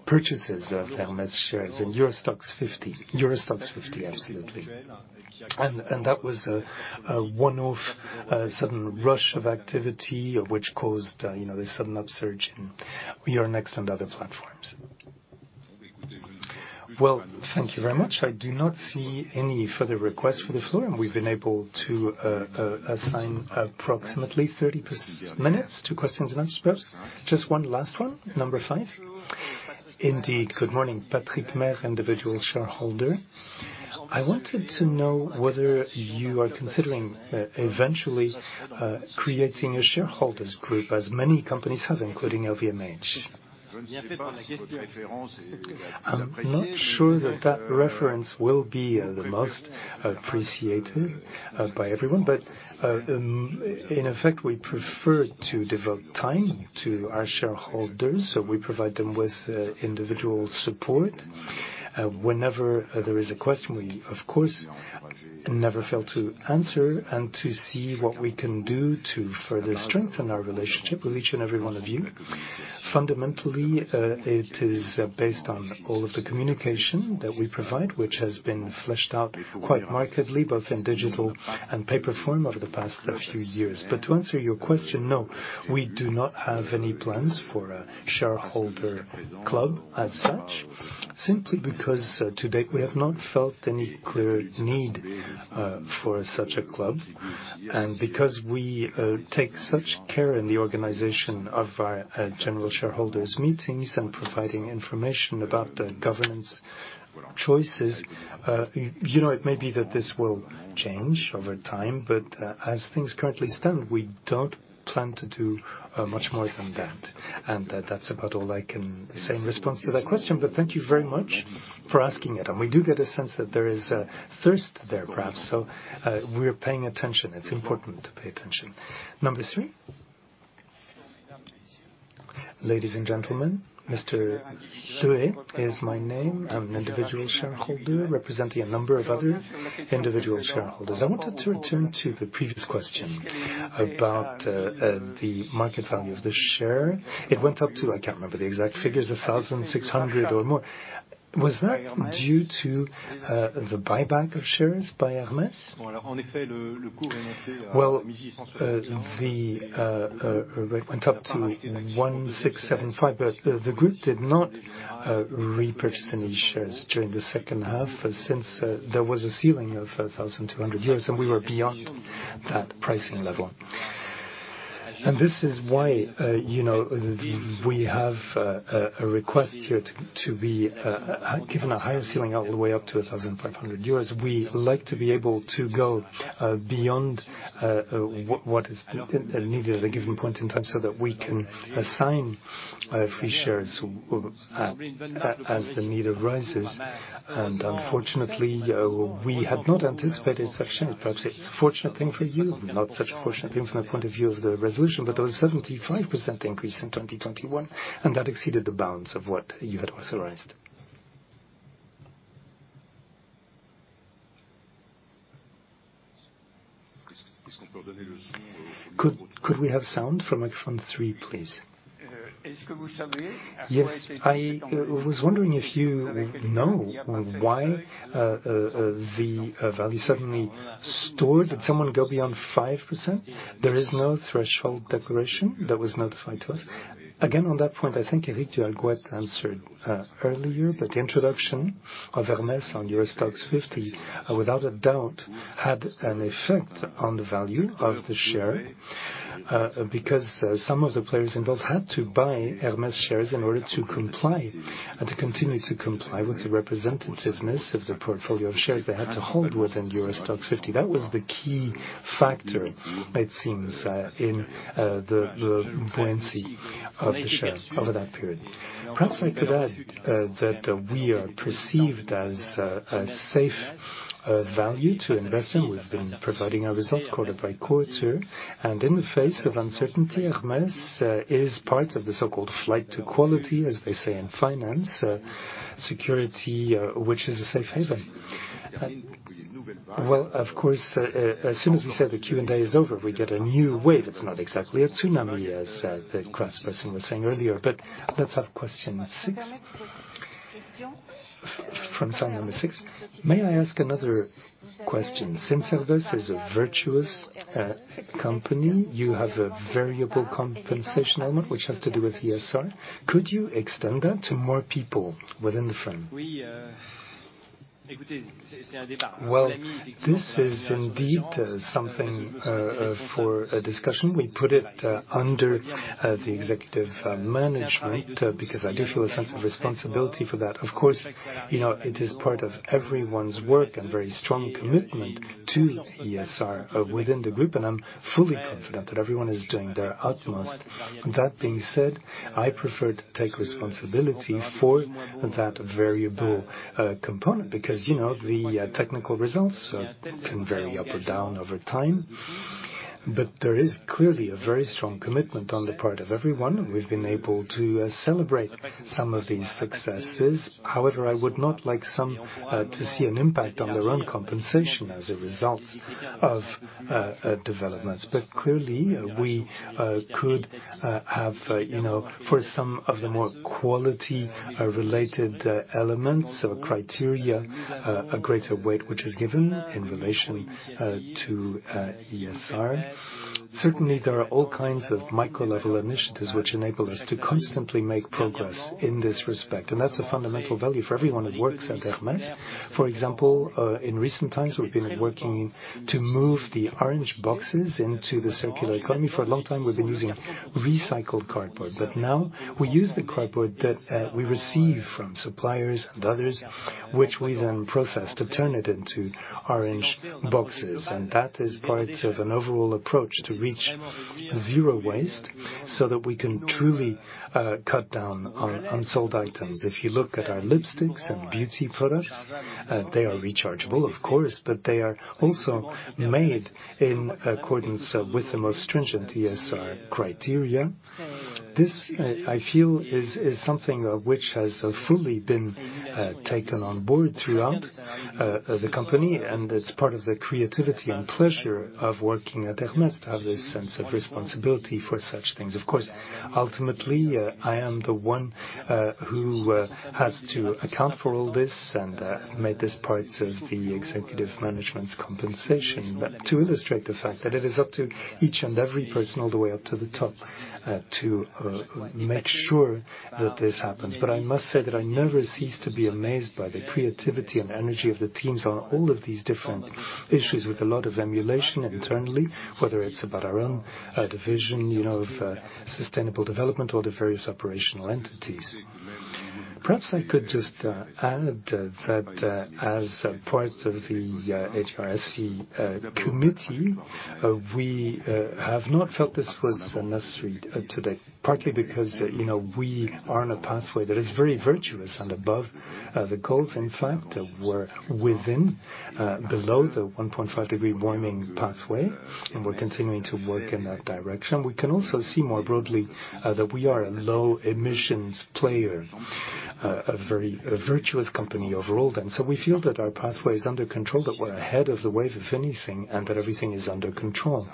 purchases of Hermès shares in EURO STOXX 50. EURO STOXX 50, absolutely. That was a one-off sudden rush of activity which caused, you know, a sudden upsurge in Euronext and other platforms. Well, thank you very much. I do not see any further requests for the floor, and we've been able to assign approximately 30 minutes to questions and answers. Perhaps just one last one, number five. Indeed. Good morning, Patrick Meunier, individual shareholder. I wanted to know whether you are considering eventually creating a shareholders group as many companies have, including LVMH. I'm not sure that reference will be the most appreciated by everyone, but in effect, we prefer to devote time to our shareholders, so we provide them with individual support. Whenever there is a question, we, of course, never fail to answer and to see what we can do to further strengthen our relationship with each and every one of you. Fundamentally, it is based on all of the communication that we provide, which has been fleshed out quite markedly, both in digital and paper form over the past few years. To answer your question, no, we do not have any plans for a shareholder club as such, simply because to date, we have not felt any clear need for such a club. Because we take such care in the organization of our general shareholders meetings and providing information about the governance choices, you know, it may be that this will change over time, but as things currently stand, we don't plan to do much more than that. That, that's about all I can say in response to that question, but thank you very much for asking it, and we do get a sense that there is a thirst there, perhaps, so we're paying attention. It's important to pay attention. Number three. Ladies and gentlemen, Mr. Huet is my name. I'm an individual shareholder representing a number of other individual shareholders. I wanted to return to the previous question about the market value of the share. It went up to, I can't remember the exact figures, 1,600 or more. Was that due to the buyback of shares by Hermès? Well, the rate went up to 1,675, but the group did not repurchase any shares during the second half, since there was a ceiling of 1,200, and we were beyond that pricing level. This is why, you know, we have a request here to be given a higher ceiling all the way up to 1,500 euros. We like to be able to go beyond what is needed at a given point in time so that we can assign free shares as the need arises. Unfortunately, we had not anticipated such an increase. Perhaps it's a fortunate thing for you, not such a fortunate thing from the point of view of the resolution, but there was a 75% increase in 2021, and that exceeded the bounds of what you had authorized. Could we have sound for microphone three, please? Yes. I was wondering if you know why the value suddenly soared. Did someone go beyond 5%? There is no threshold declaration that was notified to us. Again, on that point, I think Éric du Halgouët answered earlier, but the introduction of Hermès on EURO STOXX 50 without a doubt had an effect on the value of the share because some of the players involved had to buy Hermès shares in order to comply to continue to comply with the representativeness of the portfolio of shares they had to hold within EURO STOXX 50. That was the key factor, it seems, in the buoyancy of the share over that period. Perhaps I could add that we are perceived as a safe value to invest in. We've been providing our results quarter by quarter, and in the face of uncertainty, Hermès is part of the so-called flight to quality, as they say in finance, security, which is a safe haven. Well, of course, as soon as we said the Q&A is over, we get a new wave. It's not exactly a tsunami, as the craftsperson was saying earlier, but let's have question six. From sign number six. May I ask another question? Since Hermès is a virtuous company, you have a variable compensation element which has to do with CSR. Could you extend that to more people within the firm? Well, this is indeed something for a discussion. We put it under the executive management, because I do feel a sense of responsibility for that. Of course, you know, it is part of everyone's work and very strong commitment to CSR within the group, and I'm fully confident that everyone is doing their utmost. That being said, I prefer to take responsibility for that variable component, because, you know, the technical results can vary up or down over time. There is clearly a very strong commitment on the part of everyone. We've been able to celebrate some of these successes. However, I would not like some to see an impact on their own compensation as a result of developments. Clearly, we could have, you know, for some of the more quality-related elements or criteria, a greater weight which is given in relation to CSR. Certainly, there are all kinds of micro-level initiatives which enable us to constantly make progress in this respect, and that's a fundamental value for everyone who works at Hermès. For example, in recent times, we've been working to move the orange boxes into the circular economy. For a long time, we've been using recycled cardboard, but now we use the cardboard that we receive from suppliers and others, which we then process to turn it into orange boxes. That is part of an overall approach to reach zero waste so that we can truly cut down on unsold items. If you look at our lipsticks and beauty products, they are rechargeable, of course, but they are also made in accordance with the most stringent CSR criteria. This, I feel, is something which has fully been taken on board throughout the company, and it's part of the creativity and pleasure of working at Hermès to have this sense of responsibility for such things. Of course, ultimately, I am the one who has to account for all this and made this part of the executive management's compensation. To illustrate the fact that it is up to each and every person all the way up to the top to make sure that this happens. I must say that I never cease to be amazed by the creativity and energy of the teams on all of these different issues with a lot of emulation internally, whether it's about our own division, you know, of sustainable development or the various operational entities. Perhaps I could just add that as a part of the CSR committee we have not felt this was necessary to date, partly because, you know, we are on a pathway that is very virtuous and above the goals. In fact, we're well below the 1.5-degree warming pathway, and we're continuing to work in that direction. We can also see more broadly that we are a low-emissions player, a very virtuous company overall then. We feel that our pathway is under control, that we're ahead of the wave, if anything, and that everything is under control.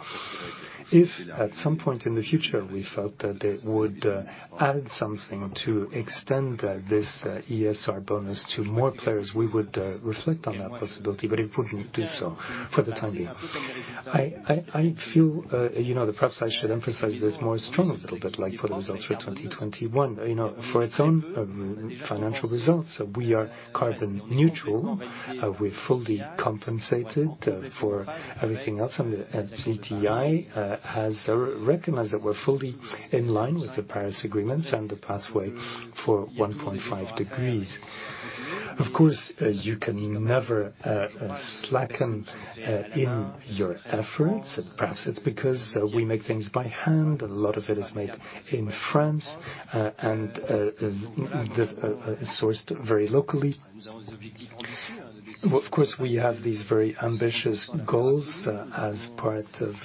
If at some point in the future we felt that it would add something to extend this CSR bonus to more players, we would reflect on that possibility, but we wouldn't do so for the time being. I feel, you know, that perhaps I should emphasize this more strongly, a little bit like for the results for 2021. You know, for its own financial results, we are carbon neutral. We're fully compensated for everything else, and the SBTi has recognized that we're fully in line with the Paris Agreement and the pathway for 1.5 degrees. Of course, you can never slacken in your efforts. Perhaps it's because we make things by hand. A lot of it is made in France and is sourced very locally. Of course, we have these very ambitious goals as part of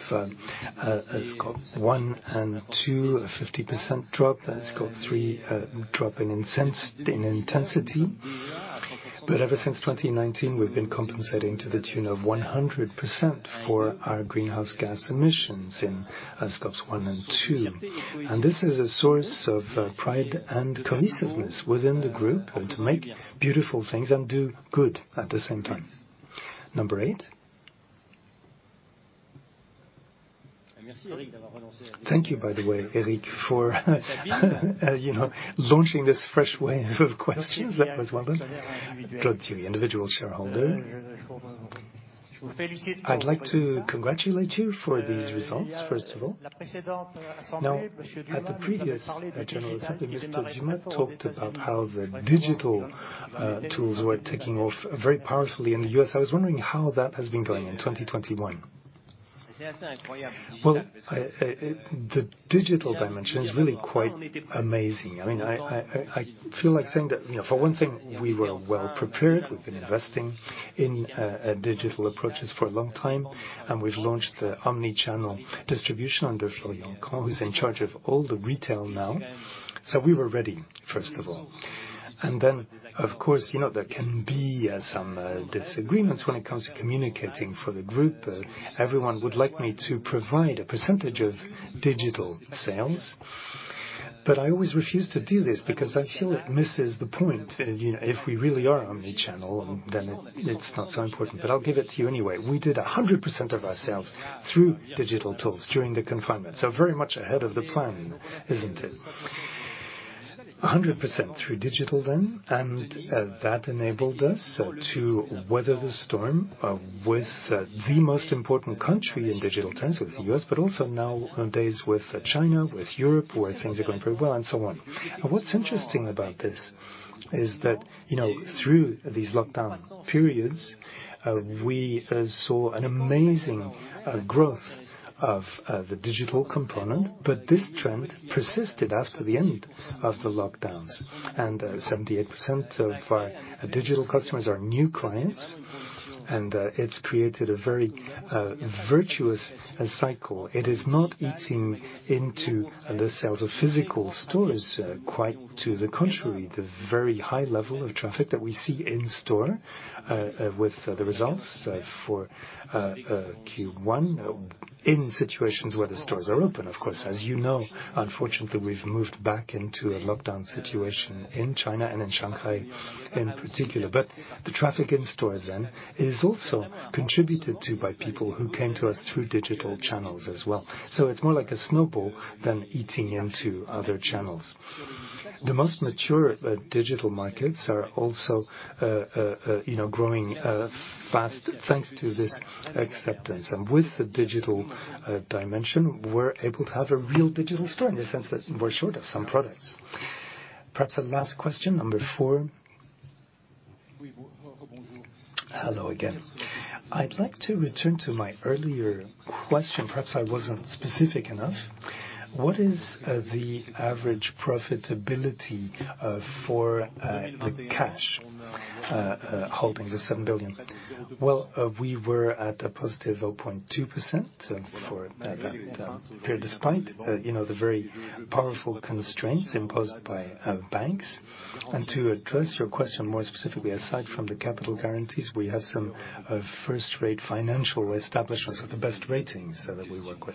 Scopes one and two, a 50% drop, and Scope three, dropping in intensity. Ever since 2019, we've been compensating to the tune of 100% for our greenhouse gas emissions in Scope one and Scope two. This is a source of pride and cohesiveness within the group and to make beautiful things and do good at the same time. Number eight. Thank you, by the way, Éric, for, you know, launching this fresh wave of questions. That was well done. Claude Thiry, Individual Shareholder. I'd like to congratulate you for these results, first of all. Now, at the previous general assembly, Mr. du Halgouët talked about how the digital tools were taking off very powerfully in the U.S. I was wondering how that has been going in 2021? The digital dimension is really quite amazing. I mean, I feel like saying that, you know, for one thing, we were well prepared. We've been investing in digital approaches for a long time, and we've launched the omnichannel distribution under Florian Craen, who's in charge of all the retail now. We were ready, first of all. Then, of course, you know, there can be some disagreements when it comes to communicating for the group. Everyone would like me to provide a percentage of digital sales, but I always refuse to do this because I feel it misses the point. You know, if we really are omnichannel, then it's not so important, but I'll give it to you anyway. We did 100% of our sales through digital tools during the confinement, so very much ahead of the plan, isn't it? 100% through digital then, that enabled us to weather the storm with the most important country in digital terms, with the U.S., but also nowadays with China, with Europe, where things are going very well, and so on. What's interesting about this is that, you know, through these lockdown periods, we saw an amazing growth of the digital component, but this trend persisted after the end of the lockdowns. 78% of our digital customers are new clients, and it's created a very virtuous cycle. It is not eating into the sales of physical stores. Quite to the contrary, the very high level of traffic that we see in store with the results for Q1 in situations where the stores are open, of course. As you know, unfortunately, we've moved back into a lockdown situation in China and in Shanghai in particular. The traffic in store then is also contributed to by people who came to us through digital channels as well. It's more like a snowball than eating into other channels. The most mature digital markets are also, you know, growing fast, thanks to this acceptance. With the digital dimension, we're able to have a real digital store in the sense that we're short of some products. Perhaps a last question, number four. Hello again. I'd like to return to my earlier question. Perhaps I wasn't specific enough. What is the average profitability for the cash holdings of 7 billion? Well, we were at a positive 0.2% for that period, despite, you know, the very powerful constraints imposed by banks. To address your question more specifically, aside from the capital guarantees, we have some first-rate financial establishments with the best ratings that we work with.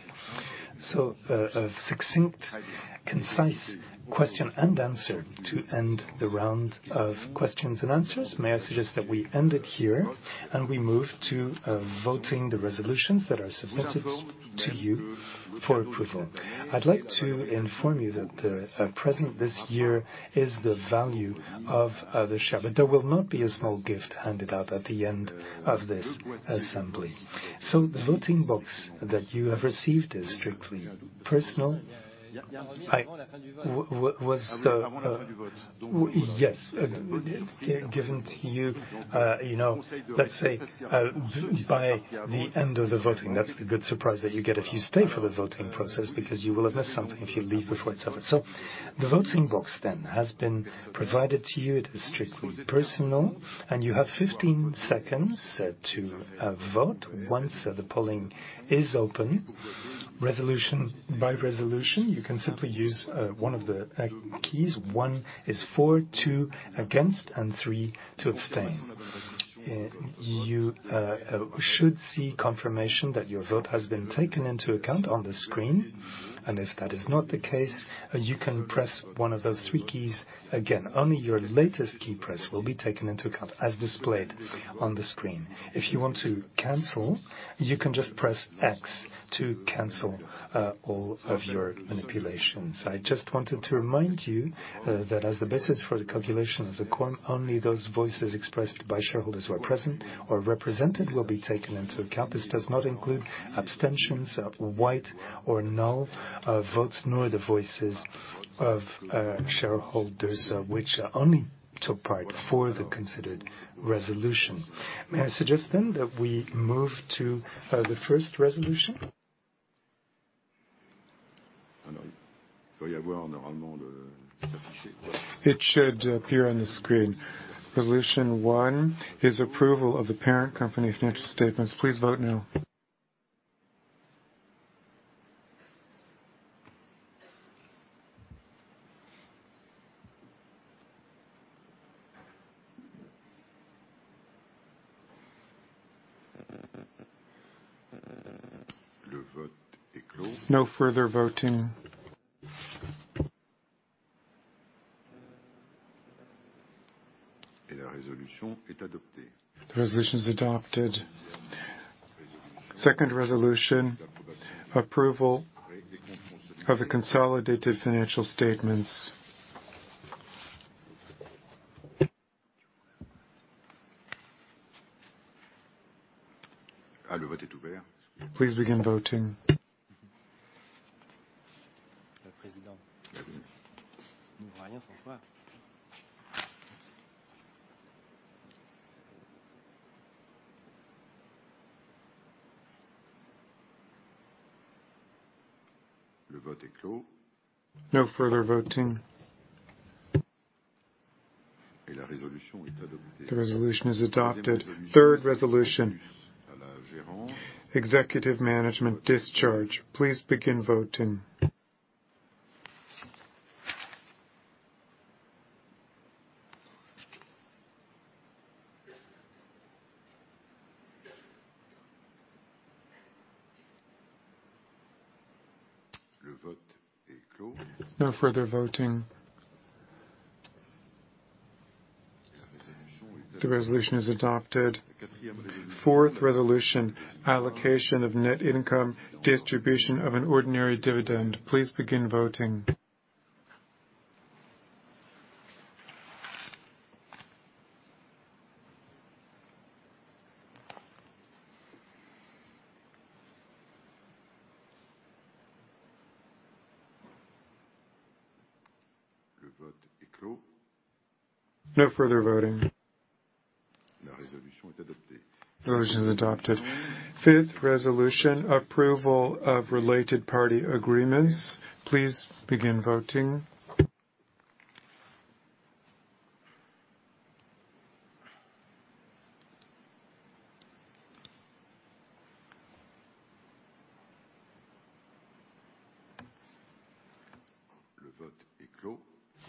A succinct, concise question and answer to end the round of questions and answers. May I suggest that we end it here, and we move to voting the resolutions that are submitted to you for approval. I'd like to inform you that the present this year is the value of the share, but there will not be a small gift handed out at the end of this assembly. The voting box that you have received is strictly personal. It was given to you know, let's say, by the end of the voting. That's the good surprise that you get if you stay for the voting process, because you will have missed something if you leave before it's over. The voting box then has been provided to you. It is strictly personal, and you have 15 seconds to vote once the polling is open. Resolution by resolution, you can simply use one of the keys. One is for, two against, and three to abstain. You should see confirmation that your vote has been taken into account on the screen, and if that is not the case, you can press one of those three keys again. Only your latest key press will be taken into account as displayed on the screen. If you want to cancel, you can just press X to cancel all of your manipulations. I just wanted to remind you that as the basis for the calculation of the quorum, only those votes expressed by shareholders who are present or represented will be taken into account. This does not include abstentions, white or null votes, nor the votes of shareholders which only took part for the considered resolution. May I suggest then that we move to the first resolution? It should appear on the screen. Resolution one is approval of the parent company's financial statements. Please vote now. No further voting. The resolution's adopted. Second resolution: approval of the consolidated financial statements. Please begin voting. No further voting. The resolution is adopted. Third resolution Executive management discharge. Please begin voting. No further voting. The resolution is adopted. Fourth resolution: allocation of net income, distribution of an ordinary dividend. Please begin voting. No further voting. Resolution adopted. Fifth resolution: approval of related party agreements. Please begin voting.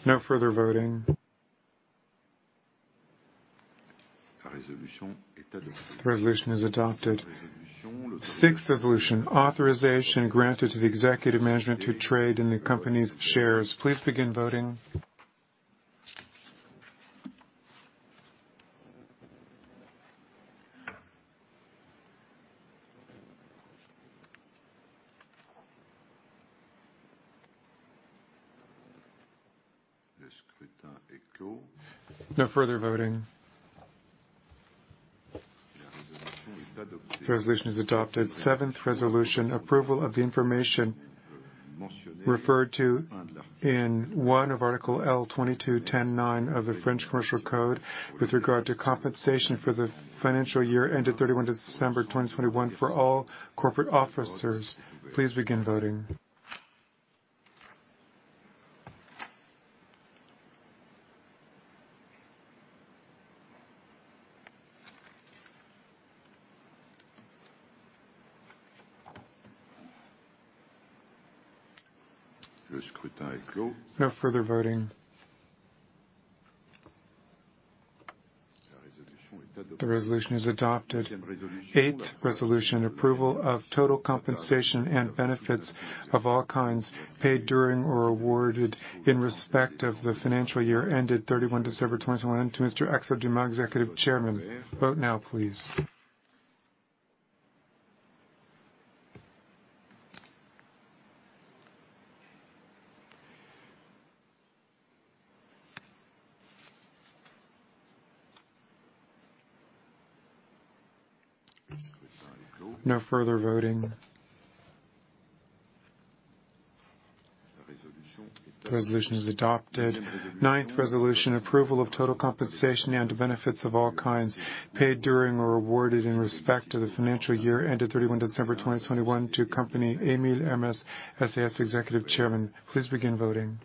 No further voting. The resolution is adopted. Sixth resolution: authorization granted to the executive management to trade in the company's shares. Please begin voting. No further voting. The resolution is adopted. Seventh resolution: approval of the information referred to in Article L. 22-10-9 of the French Commercial Code with regard to compensation for the financial year ended December 31, 2021 for all corporate officers. Please begin voting. No further voting. The resolution is adopted. Eighth resolution: approval of total compensation and benefits of all kinds paid during or awarded in respect of the financial year ended December 31, 2020 to Mr. Axel Dumas, Executive Chairman. Vote now, please. No further voting. The resolution is adopted. Ninth resolution: approval of total compensation and benefits of all kinds paid during or awarded in respect of the financial year ended 31 December 2021 to Émile Hermès SAS Executive Chairman. Please begin voting.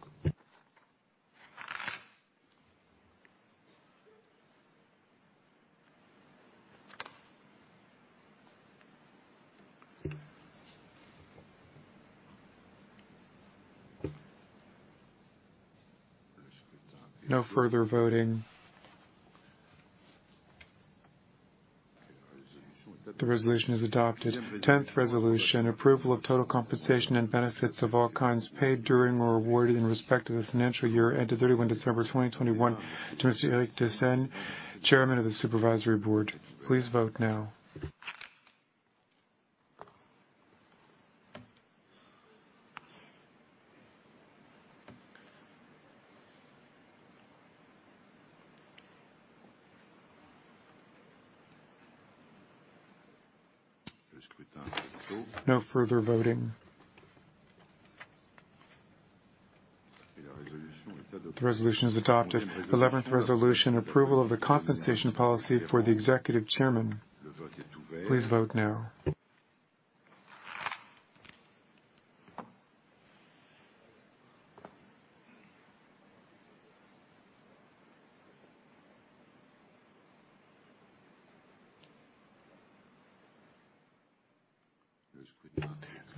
No further voting. The resolution is adopted. 10th resolution: approval of total compensation and benefits of all kinds paid during or awarded in respect of the financial year ended 31 December 2021 to Mr. Éric de Seynes, Chairman of the Supervisory Board. Please vote now. No further voting. The resolution is adopted. 11th resolution: approval of the compensation policy for the Executive Chairman. Please vote now.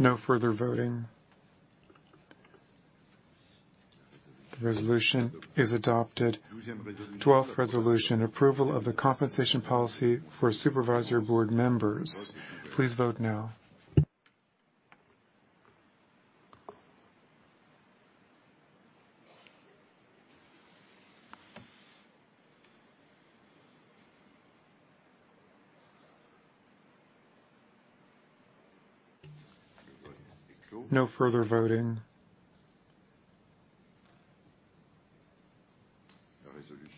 No further voting. The resolution is adopted. 12th resolution: approval of the compensation policy for Supervisory Board members. Please vote now. No further voting.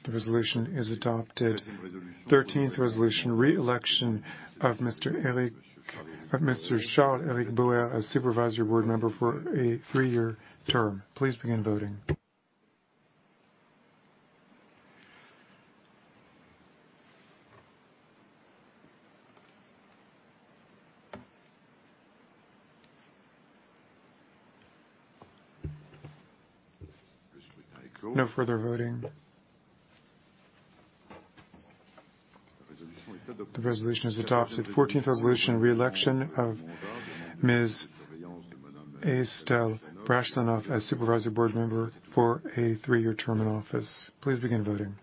The resolution is adopted. 13th resolution: re-election of Mr. Éric. Reelection of Charles-Éric Bauer as Supervisory Board Member for a three-year term. Please begin voting. No further voting. The resolution is adopted. 14th resolution, reelection of Ms. Estelle Brachlianoff as Supervisory Board Member for a three-year term in office. Please begin voting.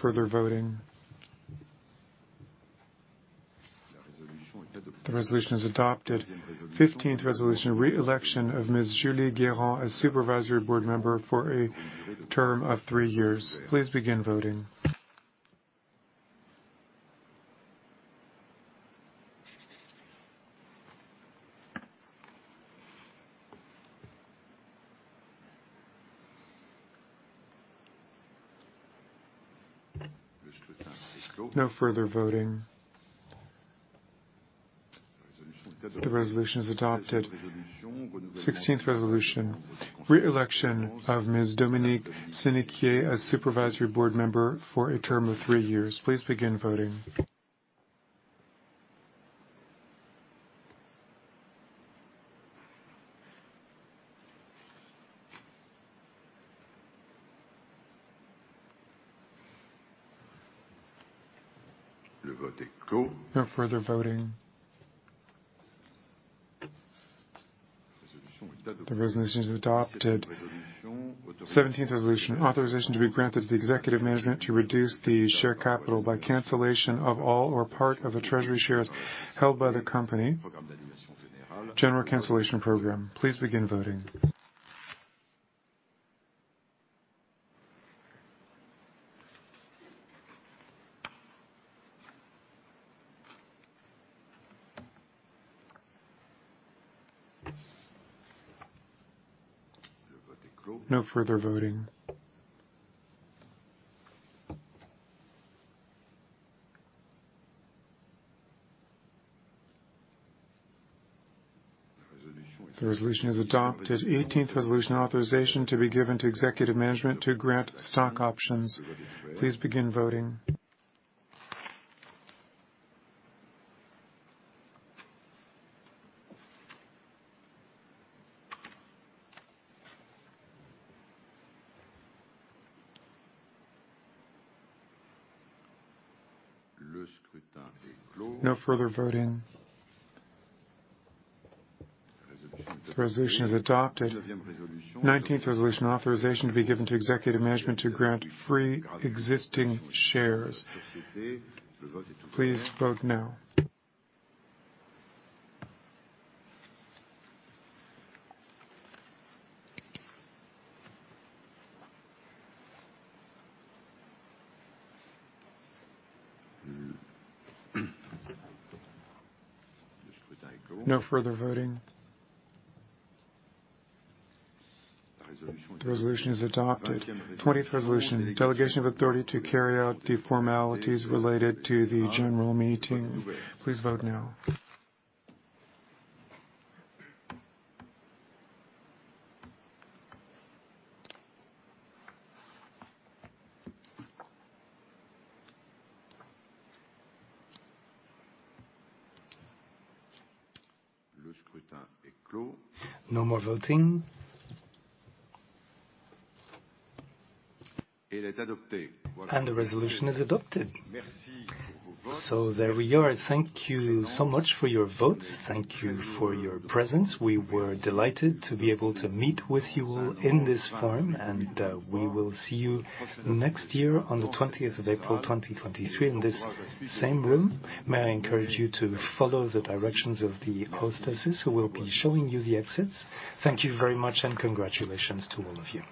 No further voting. The resolution is adopted. 15th resolution, reelection of Ms. Julie Guerrand as Supervisory Board Member for a term of three years. Please begin voting. No further voting. The resolution is adopted. 16th resolution, reelection of Ms. Dominique Sénéquier as Supervisory Board Member for a term of three years. Please begin voting. No further voting. The resolution is adopted. 17th resolution, authorization to be granted to the executive management to reduce the share capital by cancellation of all or part of the treasury shares held by the company. General cancellation program. Please begin voting. No further voting. The resolution is adopted. 18th resolution, authorization to be given to executive management to grant stock options. Please begin voting. No further voting. The resolution is adopted. 19th resolution, authorization to be given to executive management to grant free existing shares. Please vote now. No further voting. The resolution is adopted. 20th resolution, delegation of authority to carry out the formalities related to the general meeting. Please vote now. No more voting. The resolution is adopted. There we are. Thank you so much for your votes. Thank you for your presence. We were delighted to be able to meet with you all in this forum, and we will see you next year on the 20th of April, 2023, in this same room. May I encourage you to follow the directions of the hostesses who will be showing you the exits. Thank you very much, and congratulations to all of you.